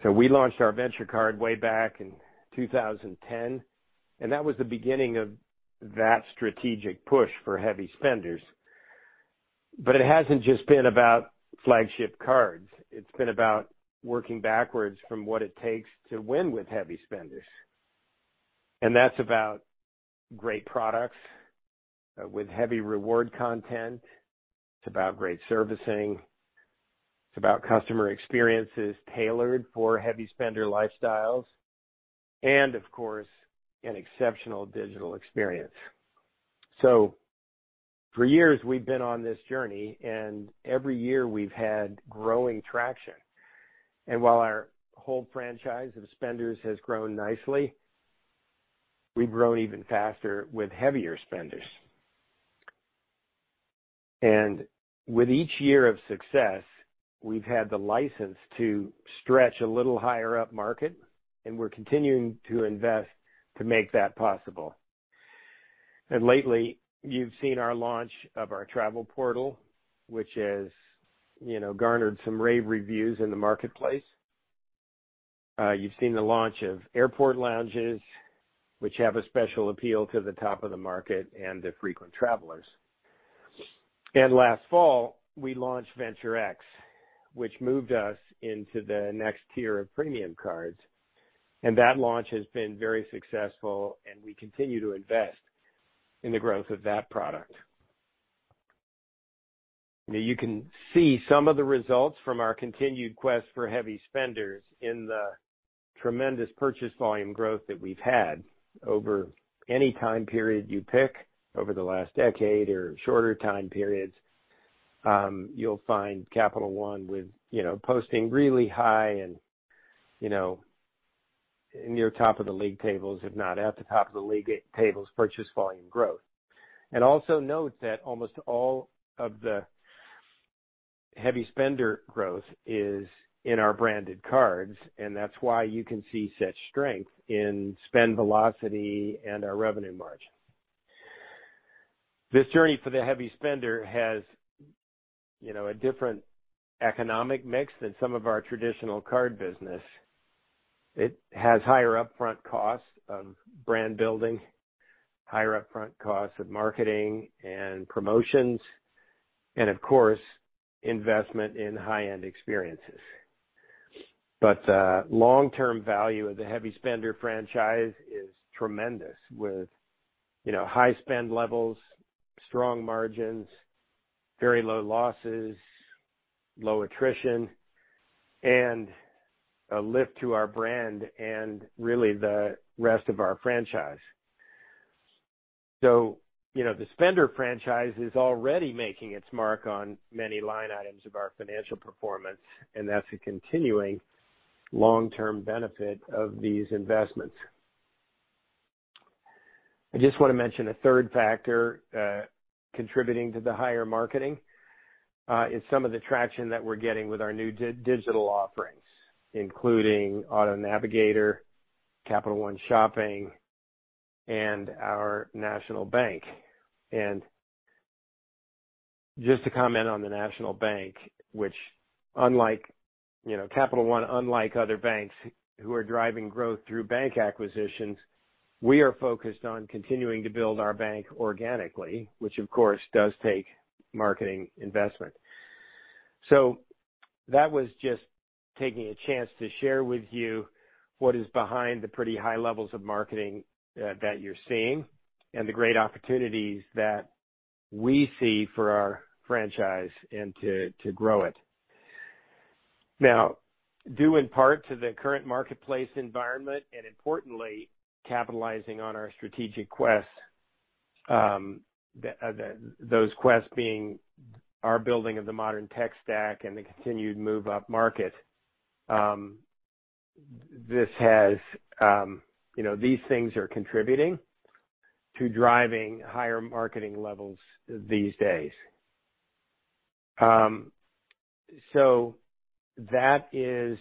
We launched our Venture card way back in 2010, and that was the beginning of that strategic push for heavy spenders. It hasn't just been about flagship cards. It's been about working backwards from what it takes to win with heavy spenders. That's about great products with heavy reward content. It's about great servicing. It's about customer experiences tailored for heavy spender lifestyles and, of course, an exceptional digital experience. For years, we've been on this journey, and every year we've had growing traction. While our whole franchise of spenders has grown nicely, we've grown even faster with heavier spenders. With each year of success, we've had the license to stretch a little higher upmarket, and we're continuing to invest to make that possible. Lately, you've seen our launch of our travel portal, which has, you know, garnered some rave reviews in the marketplace. You've seen the launch of airport lounges, which have a special appeal to the top of the market and the frequent travelers. Last fall, we launched Venture X, which moved us into the next tier of premium cards. That launch has been very successful, and we continue to invest in the growth of that product. Now you can see some of the results from our continued quest for heavy spenders in the tremendous purchase volume growth that we've had over any time period you pick over the last decade or shorter time periods. You'll find Capital One with, you know, posting really high and, you know, near top of the league tables, if not at the top of the league tables, purchase volume growth. Also note that almost all of the heavy spender growth is in our branded cards, and that's why you can see such strength in spend velocity and our revenue margin. This journey for the heavy spender has, you know, a different economic mix than some of our traditional card business. It has higher upfront costs of brand building, higher upfront costs of marketing and promotions, and of course, investment in high-end experiences. Long-term value of the heavy spender franchise is tremendous with, you know, high spend levels, strong margins, very low losses, low attrition, and a lift to our brand and really the rest of our franchise. You know, the spender franchise is already making its mark on many line items of our financial performance, and that's a continuing long-term benefit of these investments. I just want to mention a third factor contributing to the higher marketing is some of the traction that we're getting with our new digital offerings, including Auto Navigator, Capital One Shopping, and our national bank. Just to comment on the national bank, which unlike, you know, Capital One, unlike other banks who are driving growth through bank acquisitions, we are focused on continuing to build our bank organically, which of course does take marketing investment. That was just taking a chance to share with you what is behind the pretty high levels of marketing that you're seeing and the great opportunities that we see for our franchise and to grow it. Now, due in part to the current marketplace environment, and importantly, capitalizing on our strategic quest, those quests being our building of the modern tech stack and the continued move up market, you know, these things are contributing to driving higher marketing levels these days. That is,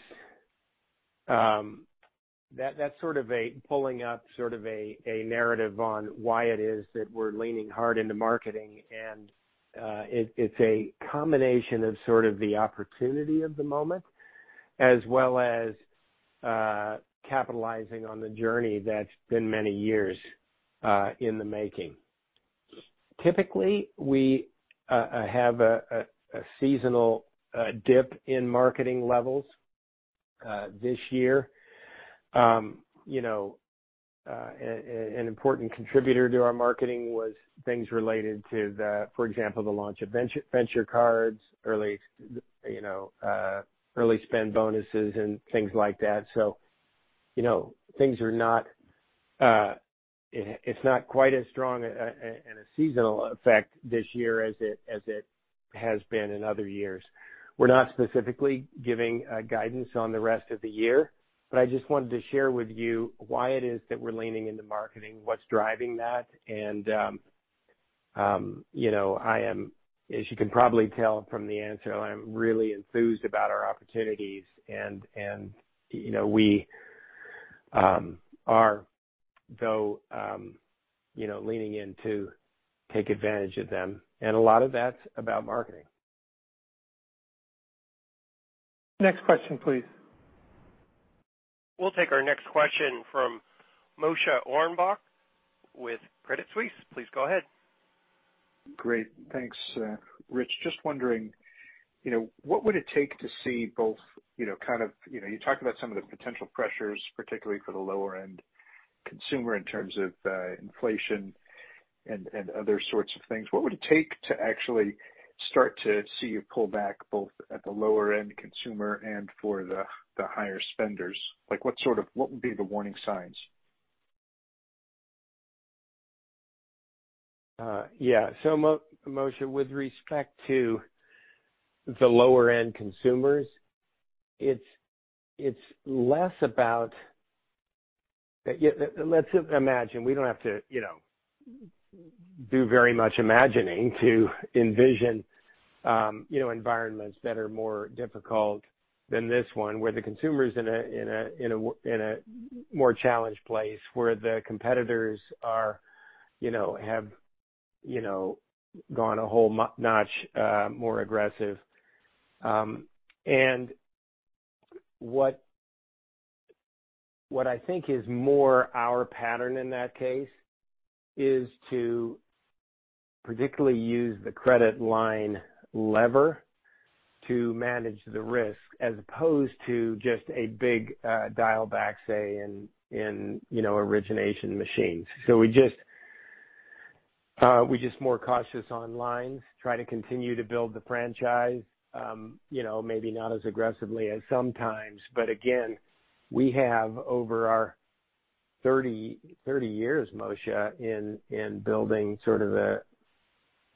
that's sort of a pulling up sort of a narrative on why it is that we're leaning hard into marketing. It's a combination of sort of the opportunity of the moment as well as capitalizing on the journey that's been many years in the making. Typically, we have a seasonal dip in marketing levels this year. You know, an important contributor to our marketing was things related to, for example, the launch of Venture cards, early spend bonuses and things like that. You know, things are not, it's not quite as strong a seasonal effect this year as it has been in other years. We're not specifically giving guidance on the rest of the year, but I just wanted to share with you why it is that we're leaning into marketing, what's driving that. You know, I am, as you can probably tell from the answer, I'm really enthused about our opportunities and you know, we are, though, you know, leaning in to take advantage of them. A lot of that's about marketing. Next question, please. We'll take our next question from Moshe Orenbuch with Credit Suisse. Please go ahead. Great. Thanks, Rich. Just wondering, you know, what would it take to see both, you know, kind of, you know, you talked about some of the potential pressures, particularly for the lower-end consumer in terms of, inflation and other sorts of things. What would it take to actually start to see you pull back both at the lower-end consumer and for the higher spenders? Like, what would be the warning signs? Moshe, with respect to the lower-end consumers, it's less about. Let's imagine we don't have to do very much imagining to envision, you know, environments that are more difficult than this one, where the consumer is in a more challenged place, where the competitors are, you know, have gone a whole notch more aggressive. What I think is more our pattern in that case is to particularly use the credit line lever to manage the risk as opposed to just a big dial back, say, in origination machines. We're just more cautious on lines, try to continue to build the franchise, you know, maybe not as aggressively as sometimes. Again, we have over our 30 years, Moshe, building sort of a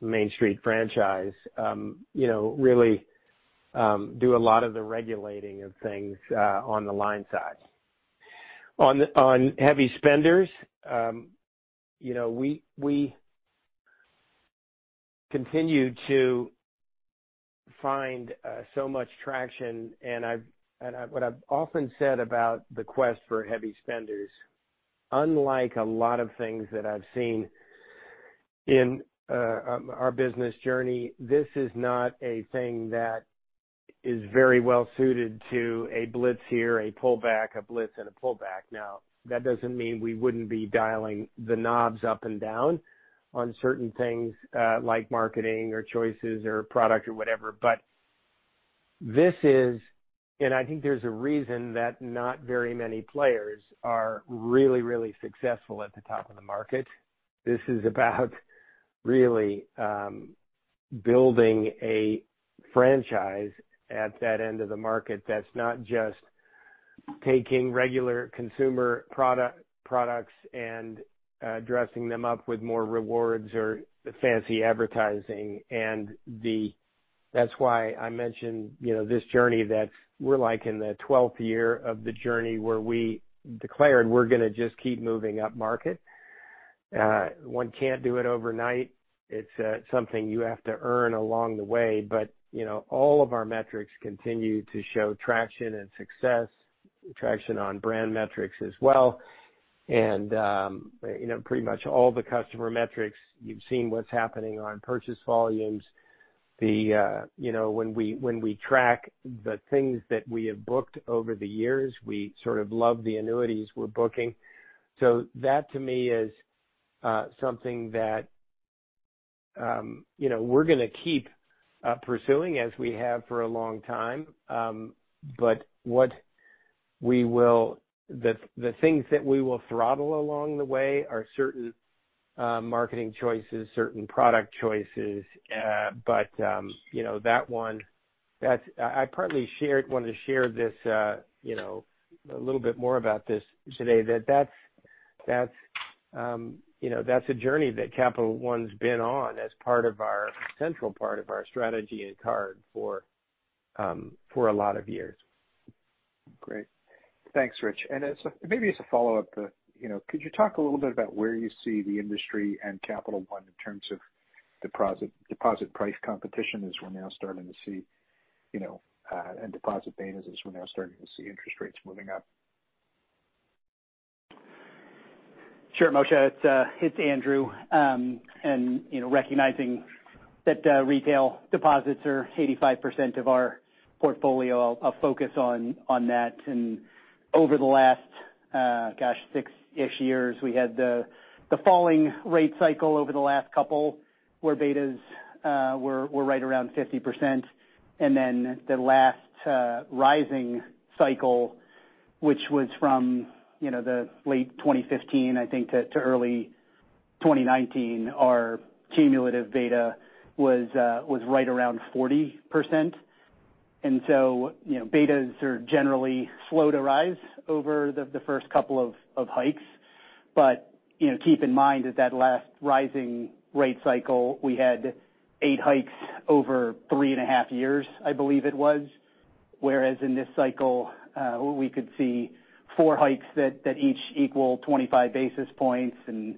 Main Street franchise, you know, really do a lot of the regulating of things on the line side. On heavy spenders, you know, we continue to find so much traction and what I've often said about the quest for heavy spenders, unlike a lot of things that I've seen in our business journey, this is not a thing that is very well suited to a blitz here, a pullback, a blitz and a pullback. Now, that doesn't mean we wouldn't be dialing the knobs up and down on certain things like marketing or choices or product or whatever. This is I think there's a reason that not very many players are really successful at the top of the market. This is about really building a franchise at that end of the market that's not just taking regular consumer products and dressing them up with more rewards or fancy advertising. That's why I mentioned, you know, this journey that we're like in the twelfth year of the journey where we declared we're gonna just keep moving up market. One can't do it overnight. It's something you have to earn along the way. You know, all of our metrics continue to show traction and success, traction on brand metrics as well. You know, pretty much all the customer metrics. You've seen what's happening on purchase volumes. You know, when we track the things that we have booked over the years, we sort of love the annuities we're booking. That to me is something that you know, we're gonna keep pursuing as we have for a long time. The things that we will throttle along the way are certain marketing choices, certain product choices. You know, that one, that's I partly wanted to share this you know, a little bit more about this today, that's a journey that Capital One's been on as part of our central part of our strategy and cards for a lot of years. Great. Thanks, Rick. Maybe as a follow-up, you know, could you talk a little bit about where you see the industry and Capital One in terms of deposit price competition as we're now starting to see, and deposit betas as we're now starting to see interest rates moving up? Sure, Moshe. It's Andrew. You know, recognizing that retail deposits are 85% of our portfolio, I'll focus on that. Over the last 6-ish years, we had the falling rate cycle over the last couple where betas were right around 50%. Then the last rising cycle, which was from the late 2015, I think to early 2019, our cumulative beta was right around 40%. You know, betas are generally slow to rise over the first couple of hikes. Keep in mind that last rising rate cycle, we had 8 hikes over three and a half years, I believe it was. Whereas in this cycle, we could see four hikes that each equal 25 basis points and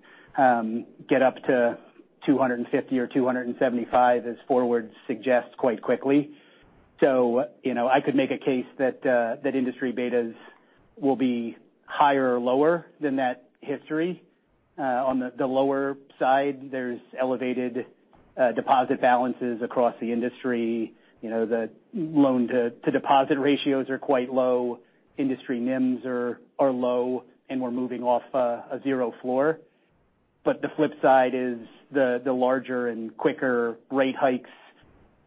get up to 250 or 275 as forward suggests quite quickly. You know, I could make a case that industry betas will be higher or lower than that history. On the lower side, there's elevated deposit balances across the industry. You know, the loan to deposit ratios are quite low. Industry NIMs are low, and we're moving off a zero floor. But the flip side is the larger and quicker rate hikes,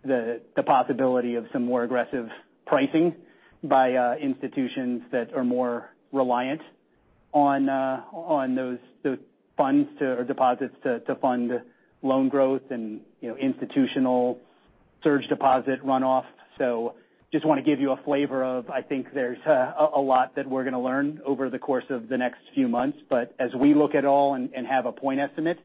the possibility of some more aggressive pricing by institutions that are more reliant on those funds or deposits to fund loan growth and, you know, institutional surge deposit runoff. Just wanna give you a flavor of. I think there's a lot that we're gonna learn over the course of the next few months. As we look at all and have a point estimate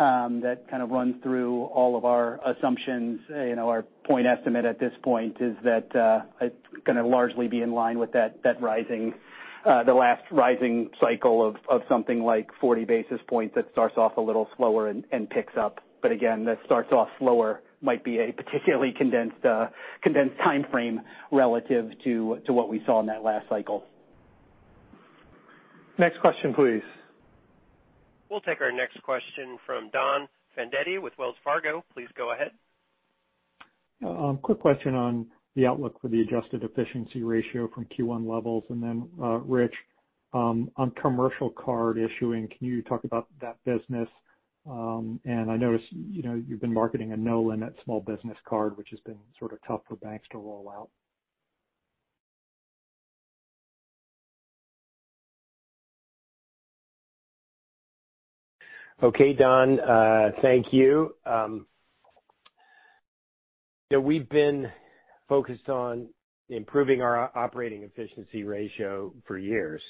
that kind of runs through all of our assumptions, you know, our point estimate at this point is that it's gonna largely be in line with that, the last rising cycle of something like 40 basis points that starts off a little slower and picks up. Again, that might be a particularly condensed timeframe relative to what we saw in that last cycle. Next question, please. We'll take our next question from Don Fandetti with Wells Fargo. Please go ahead. Quick question on the outlook for the adjusted efficiency ratio from Q1 levels. Then, Rich, on commercial card issuing, can you talk about that business? I noticed, you know, you've been marketing a no-limit small business card, which has been sort of tough for banks to roll out. Okay, Don, thank you. We've been focused on improving our operating efficiency ratio for years.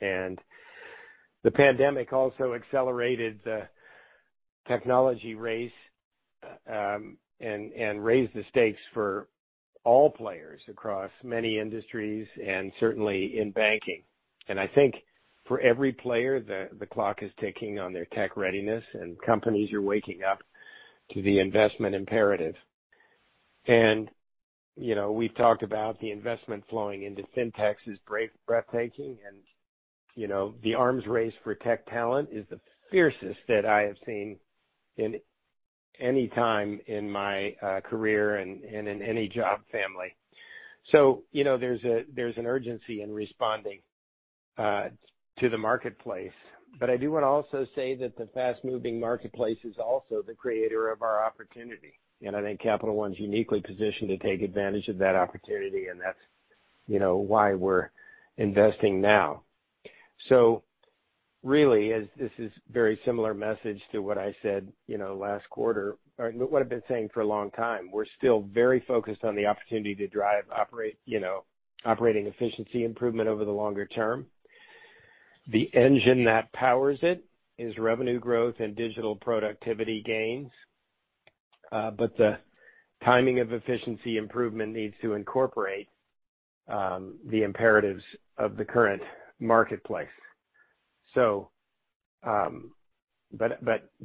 The pandemic also accelerated the technology race, and raised the stakes for all players across many industries, and certainly in banking. I think for every player, the clock is ticking on their tech readiness, and companies are waking up to the investment imperative. You know, we've talked about the investment flowing into Fintech is breathtaking. You know, the arms race for tech talent is the fiercest that I have seen in any time in my career and in any job family. You know, there's an urgency in responding to the marketplace. I do want to also say that the fast-moving marketplace is also the creator of our opportunity. I think Capital One is uniquely positioned to take advantage of that opportunity, and that's, you know, why we're investing now. Really, as this is very similar message to what I said, you know, last quarter or what I've been saying for a long time, we're still very focused on the opportunity to drive operating efficiency improvement over the longer term. The engine that powers it is revenue growth and digital productivity gains. The timing of efficiency improvement needs to incorporate the imperatives of the current marketplace.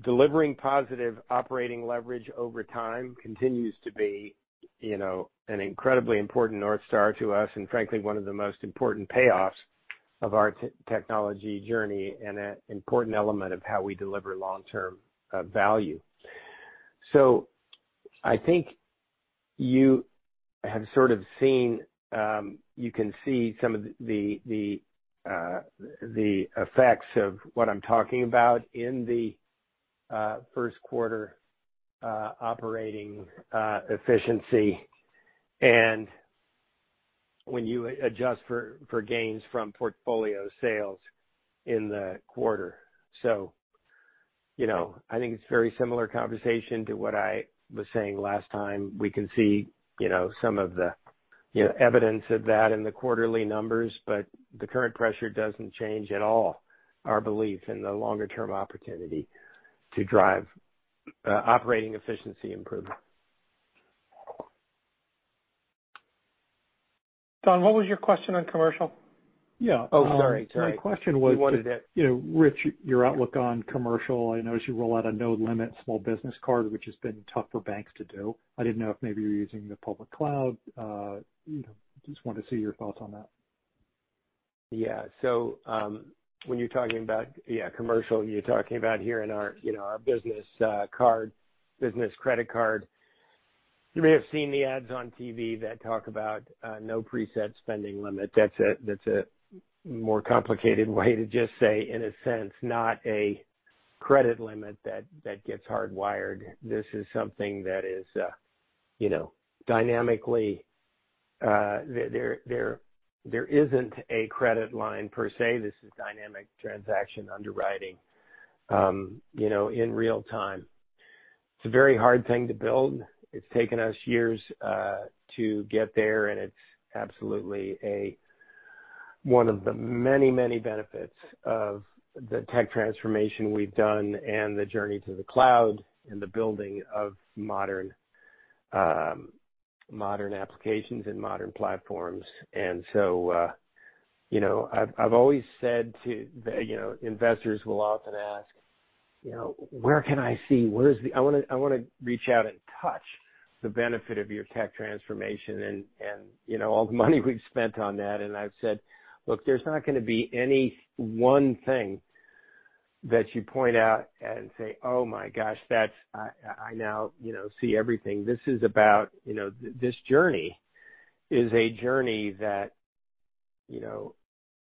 Delivering positive operating leverage over time continues to be, you know, an incredibly important North Star to us. Frankly, one of the most important payoffs of our technology journey and an important element of how we deliver long-term value. I think you can see some of the effects of what I'm talking about in the first quarter operating efficiency and when you adjust for gains from portfolio sales in the quarter. You know, I think it's very similar conversation to what I was saying last time. We can see, you know, some of the evidence of that in the quarterly numbers. The current pressure doesn't change at all our belief in the longer-term opportunity to drive operating efficiency improvement. Don, what was your question on commercial? Yeah. Oh, sorry. My question was. You wanted it. You know, Rich, your outlook on commercial. I notice you roll out a no-limit small business card, which has been tough for banks to do. I didn't know if maybe you're using the public cloud. You know, just wanted to see your thoughts on that. When you're talking about commercial, you're talking about here in our, you know, our business card business credit card. You may have seen the ads on TV that talk about no preset spending limit. That's a more complicated way to just say, in a sense, not a credit limit that gets hardwired. This is something that is, you know, dynamically there isn't a credit line per se. This is dynamic transaction underwriting, you know, in real time. It's a very hard thing to build. It's taken us years to get there. It's absolutely one of the many, many benefits of the tech transformation we've done and the journey to the cloud and the building of modern applications and modern platforms. You know, I've always said to the investors, they will often ask where can I see? Where is the I wanna reach out and touch the benefit of your tech transformation and all the money we've spent on that. I've said, "Look, there's not gonna be any one thing that you point out and say, oh, my gosh, that's it, I now see everything." This is about this journey is a journey that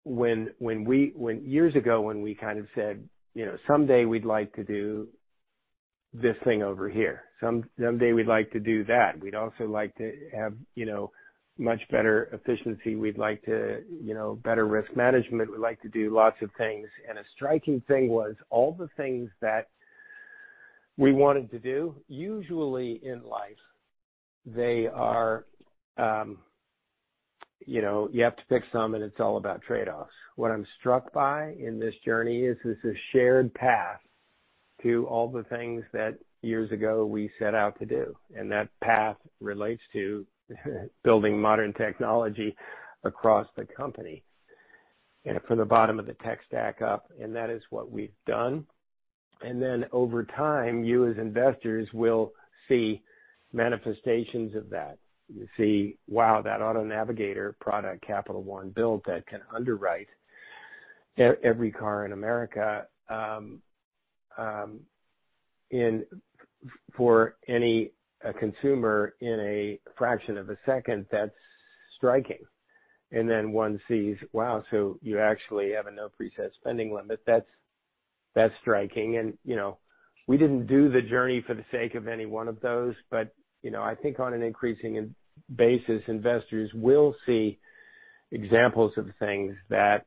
when years ago, when we kind of said someday we'd like to do this thing over here. Someday we'd like to do that. We'd also like to have much better efficiency. We'd like to better risk management. We'd like to do lots of things. A striking thing was all the things that we wanted to do, usually in life, they are, you know, you have to pick some, and it's all about trade-offs. What I'm struck by in this journey is this is a shared path to all the things that years ago we set out to do. That path relates to building modern technology across the company and from the bottom of the tech stack up. That is what we've done. Then over time, you as investors will see manifestations of that. You see, wow, that Auto Navigator product Capital One built that can underwrite every car in America for any consumer in a fraction of a second, that's striking. Then one sees, wow, so you actually have a no preset spending limit. That's striking. You know, we didn't do the journey for the sake of any one of those. You know, I think on an increasing basis, investors will see examples of things that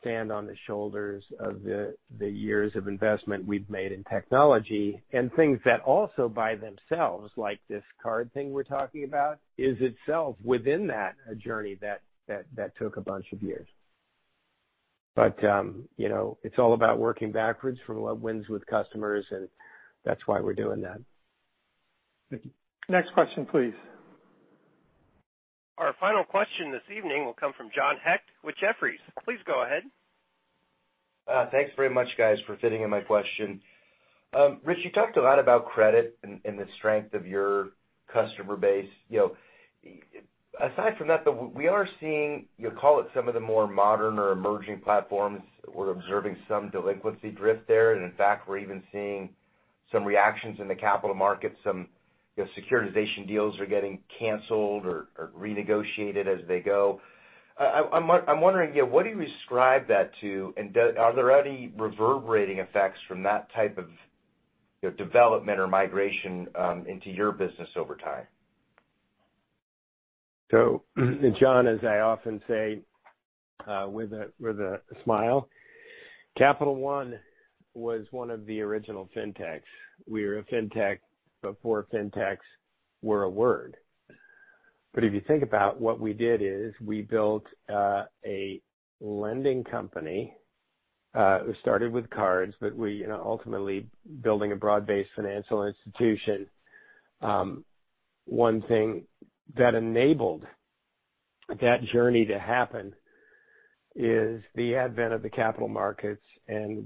stand on the shoulders of the years of investment we've made in technology. Things that also, by themselves, like this card thing we're talking about, is itself within that journey that took a bunch of years. You know, it's all about working backwards from what wins with customers, and that's why we're doing that. Thank you. Next question, please. Our final question this evening will come from John Hecht with Jefferies. Please go ahead. Thanks very much, guys, for fitting in my question. Rich, you talked a lot about credit and the strength of your customer base. You know, aside from that, though, we are seeing, you call it some of the more modern or emerging platforms. We're observing some delinquency drift there. In fact, we're even seeing some reactions in the capital markets. Some, you know, securitization deals are getting canceled or renegotiated as they go. I'm wondering, you know, what do you ascribe that to? Are there any reverberating effects from that type of development or migration into your business over time? John, as I often say, with a smile, Capital One was one of the original Fintechs. We were a Fintech before Fintechs were a word. If you think about what we did is we built a lending company that started with cards, but we, you know, ultimately building a broad-based financial institution. One thing that enabled that journey to happen is the advent of the capital markets.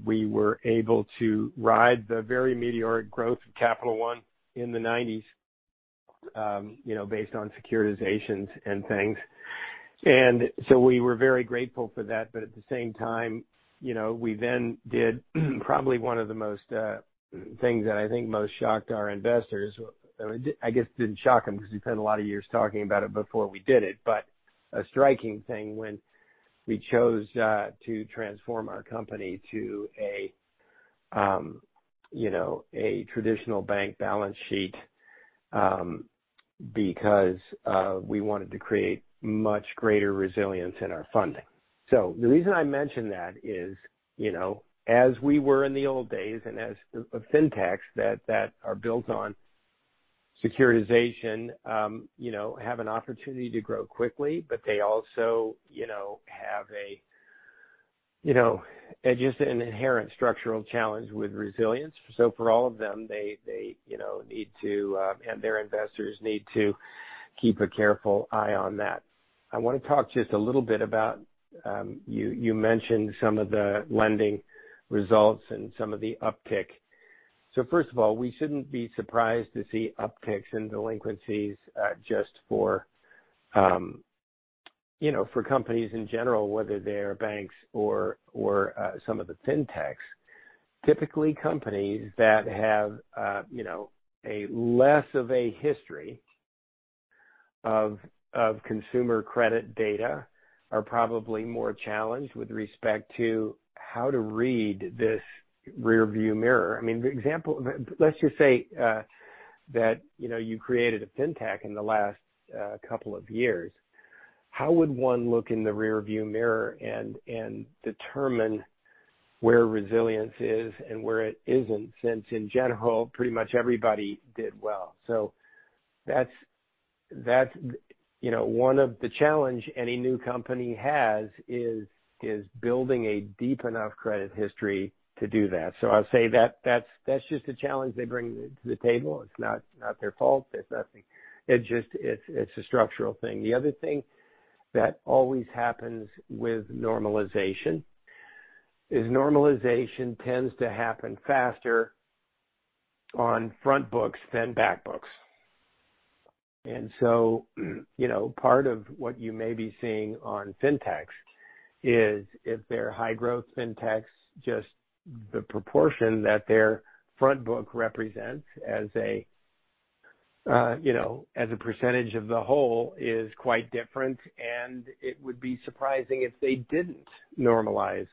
We were able to ride the very meteoric growth of Capital One in the 1990s, you know, based on securitizations and things. We were very grateful for that. At the same time, you know, we then did probably one of the most things that I think most shocked our investors. I guess didn't shock them because we spent a lot of years talking about it before we did it. A striking thing when we chose to transform our company to a, you know, a traditional bank balance sheet, because we wanted to create much greater resilience in our funding. The reason I mention that is, you know, as we were in the old days, and as Fintechs that are built on securitization, you know, have an opportunity to grow quickly. They also, you know, have a, you know, just an inherent structural challenge with resilience. For all of them, they, you know, need to, and their investors need to keep a careful eye on that. I want to talk just a little bit about, you mentioned some of the lending results and some of the uptick. First of all, we shouldn't be surprised to see upticks in delinquencies, just for, you know, for companies in general, whether they're banks or some of the Fintechs. Typically companies that have, you know, a less of a history of consumer credit data are probably more challenged with respect to how to read this rearview mirror. I mean, the example, let's just say, that, you know, you created a Fintech in the last, couple of years. How would one look in the rearview mirror and determine where resilience is and where it isn't, since in general, pretty much everybody did well. That's, that's, you know, one of the challenge any new company has is building a deep enough credit history to do that. I'll say that's just a challenge they bring to the table. It's not their fault. It's nothing. It's a structural thing. The other thing that always happens with normalization is normalization tends to happen faster on front books than back books. You know, part of what you may be seeing on Fintechs is if they're high-growth Fintechs, just the proportion that their front book represents as a, you know, as a percentage of the whole is quite different. It would be surprising if they didn't normalize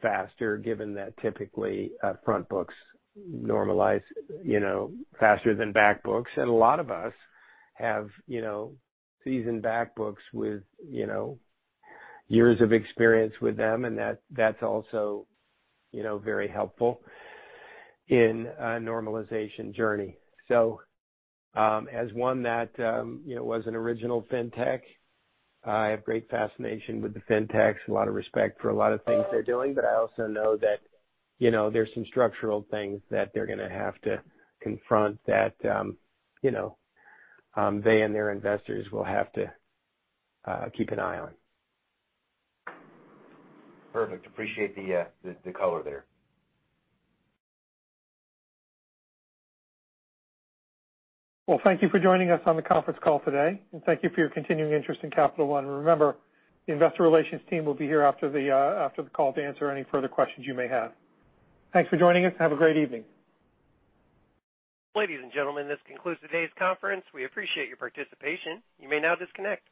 faster, given that typically front books normalize, you know, faster than back books. A lot of us have, you know, seasoned back books with, you know, years of experience with them. That's also, you know, very helpful in a normalization journey. As one that, you know, was an original Fintech, I have great fascination with the Fintechs, a lot of respect for a lot of things they're doing. I also know that, you know, there's some structural things that they're gonna have to confront that, you know, they and their investors will have to keep an eye on. Perfect. Appreciate the color there. Well, thank you for joining us on the conference call today. Thank you for your continuing interest in Capital One. Remember, the investor relations team will be here after the call to answer any further questions you may have. Thanks for joining us. Have a great evening. Ladies and gentlemen, this concludes today's conference. We appreciate your participation. You may now disconnect.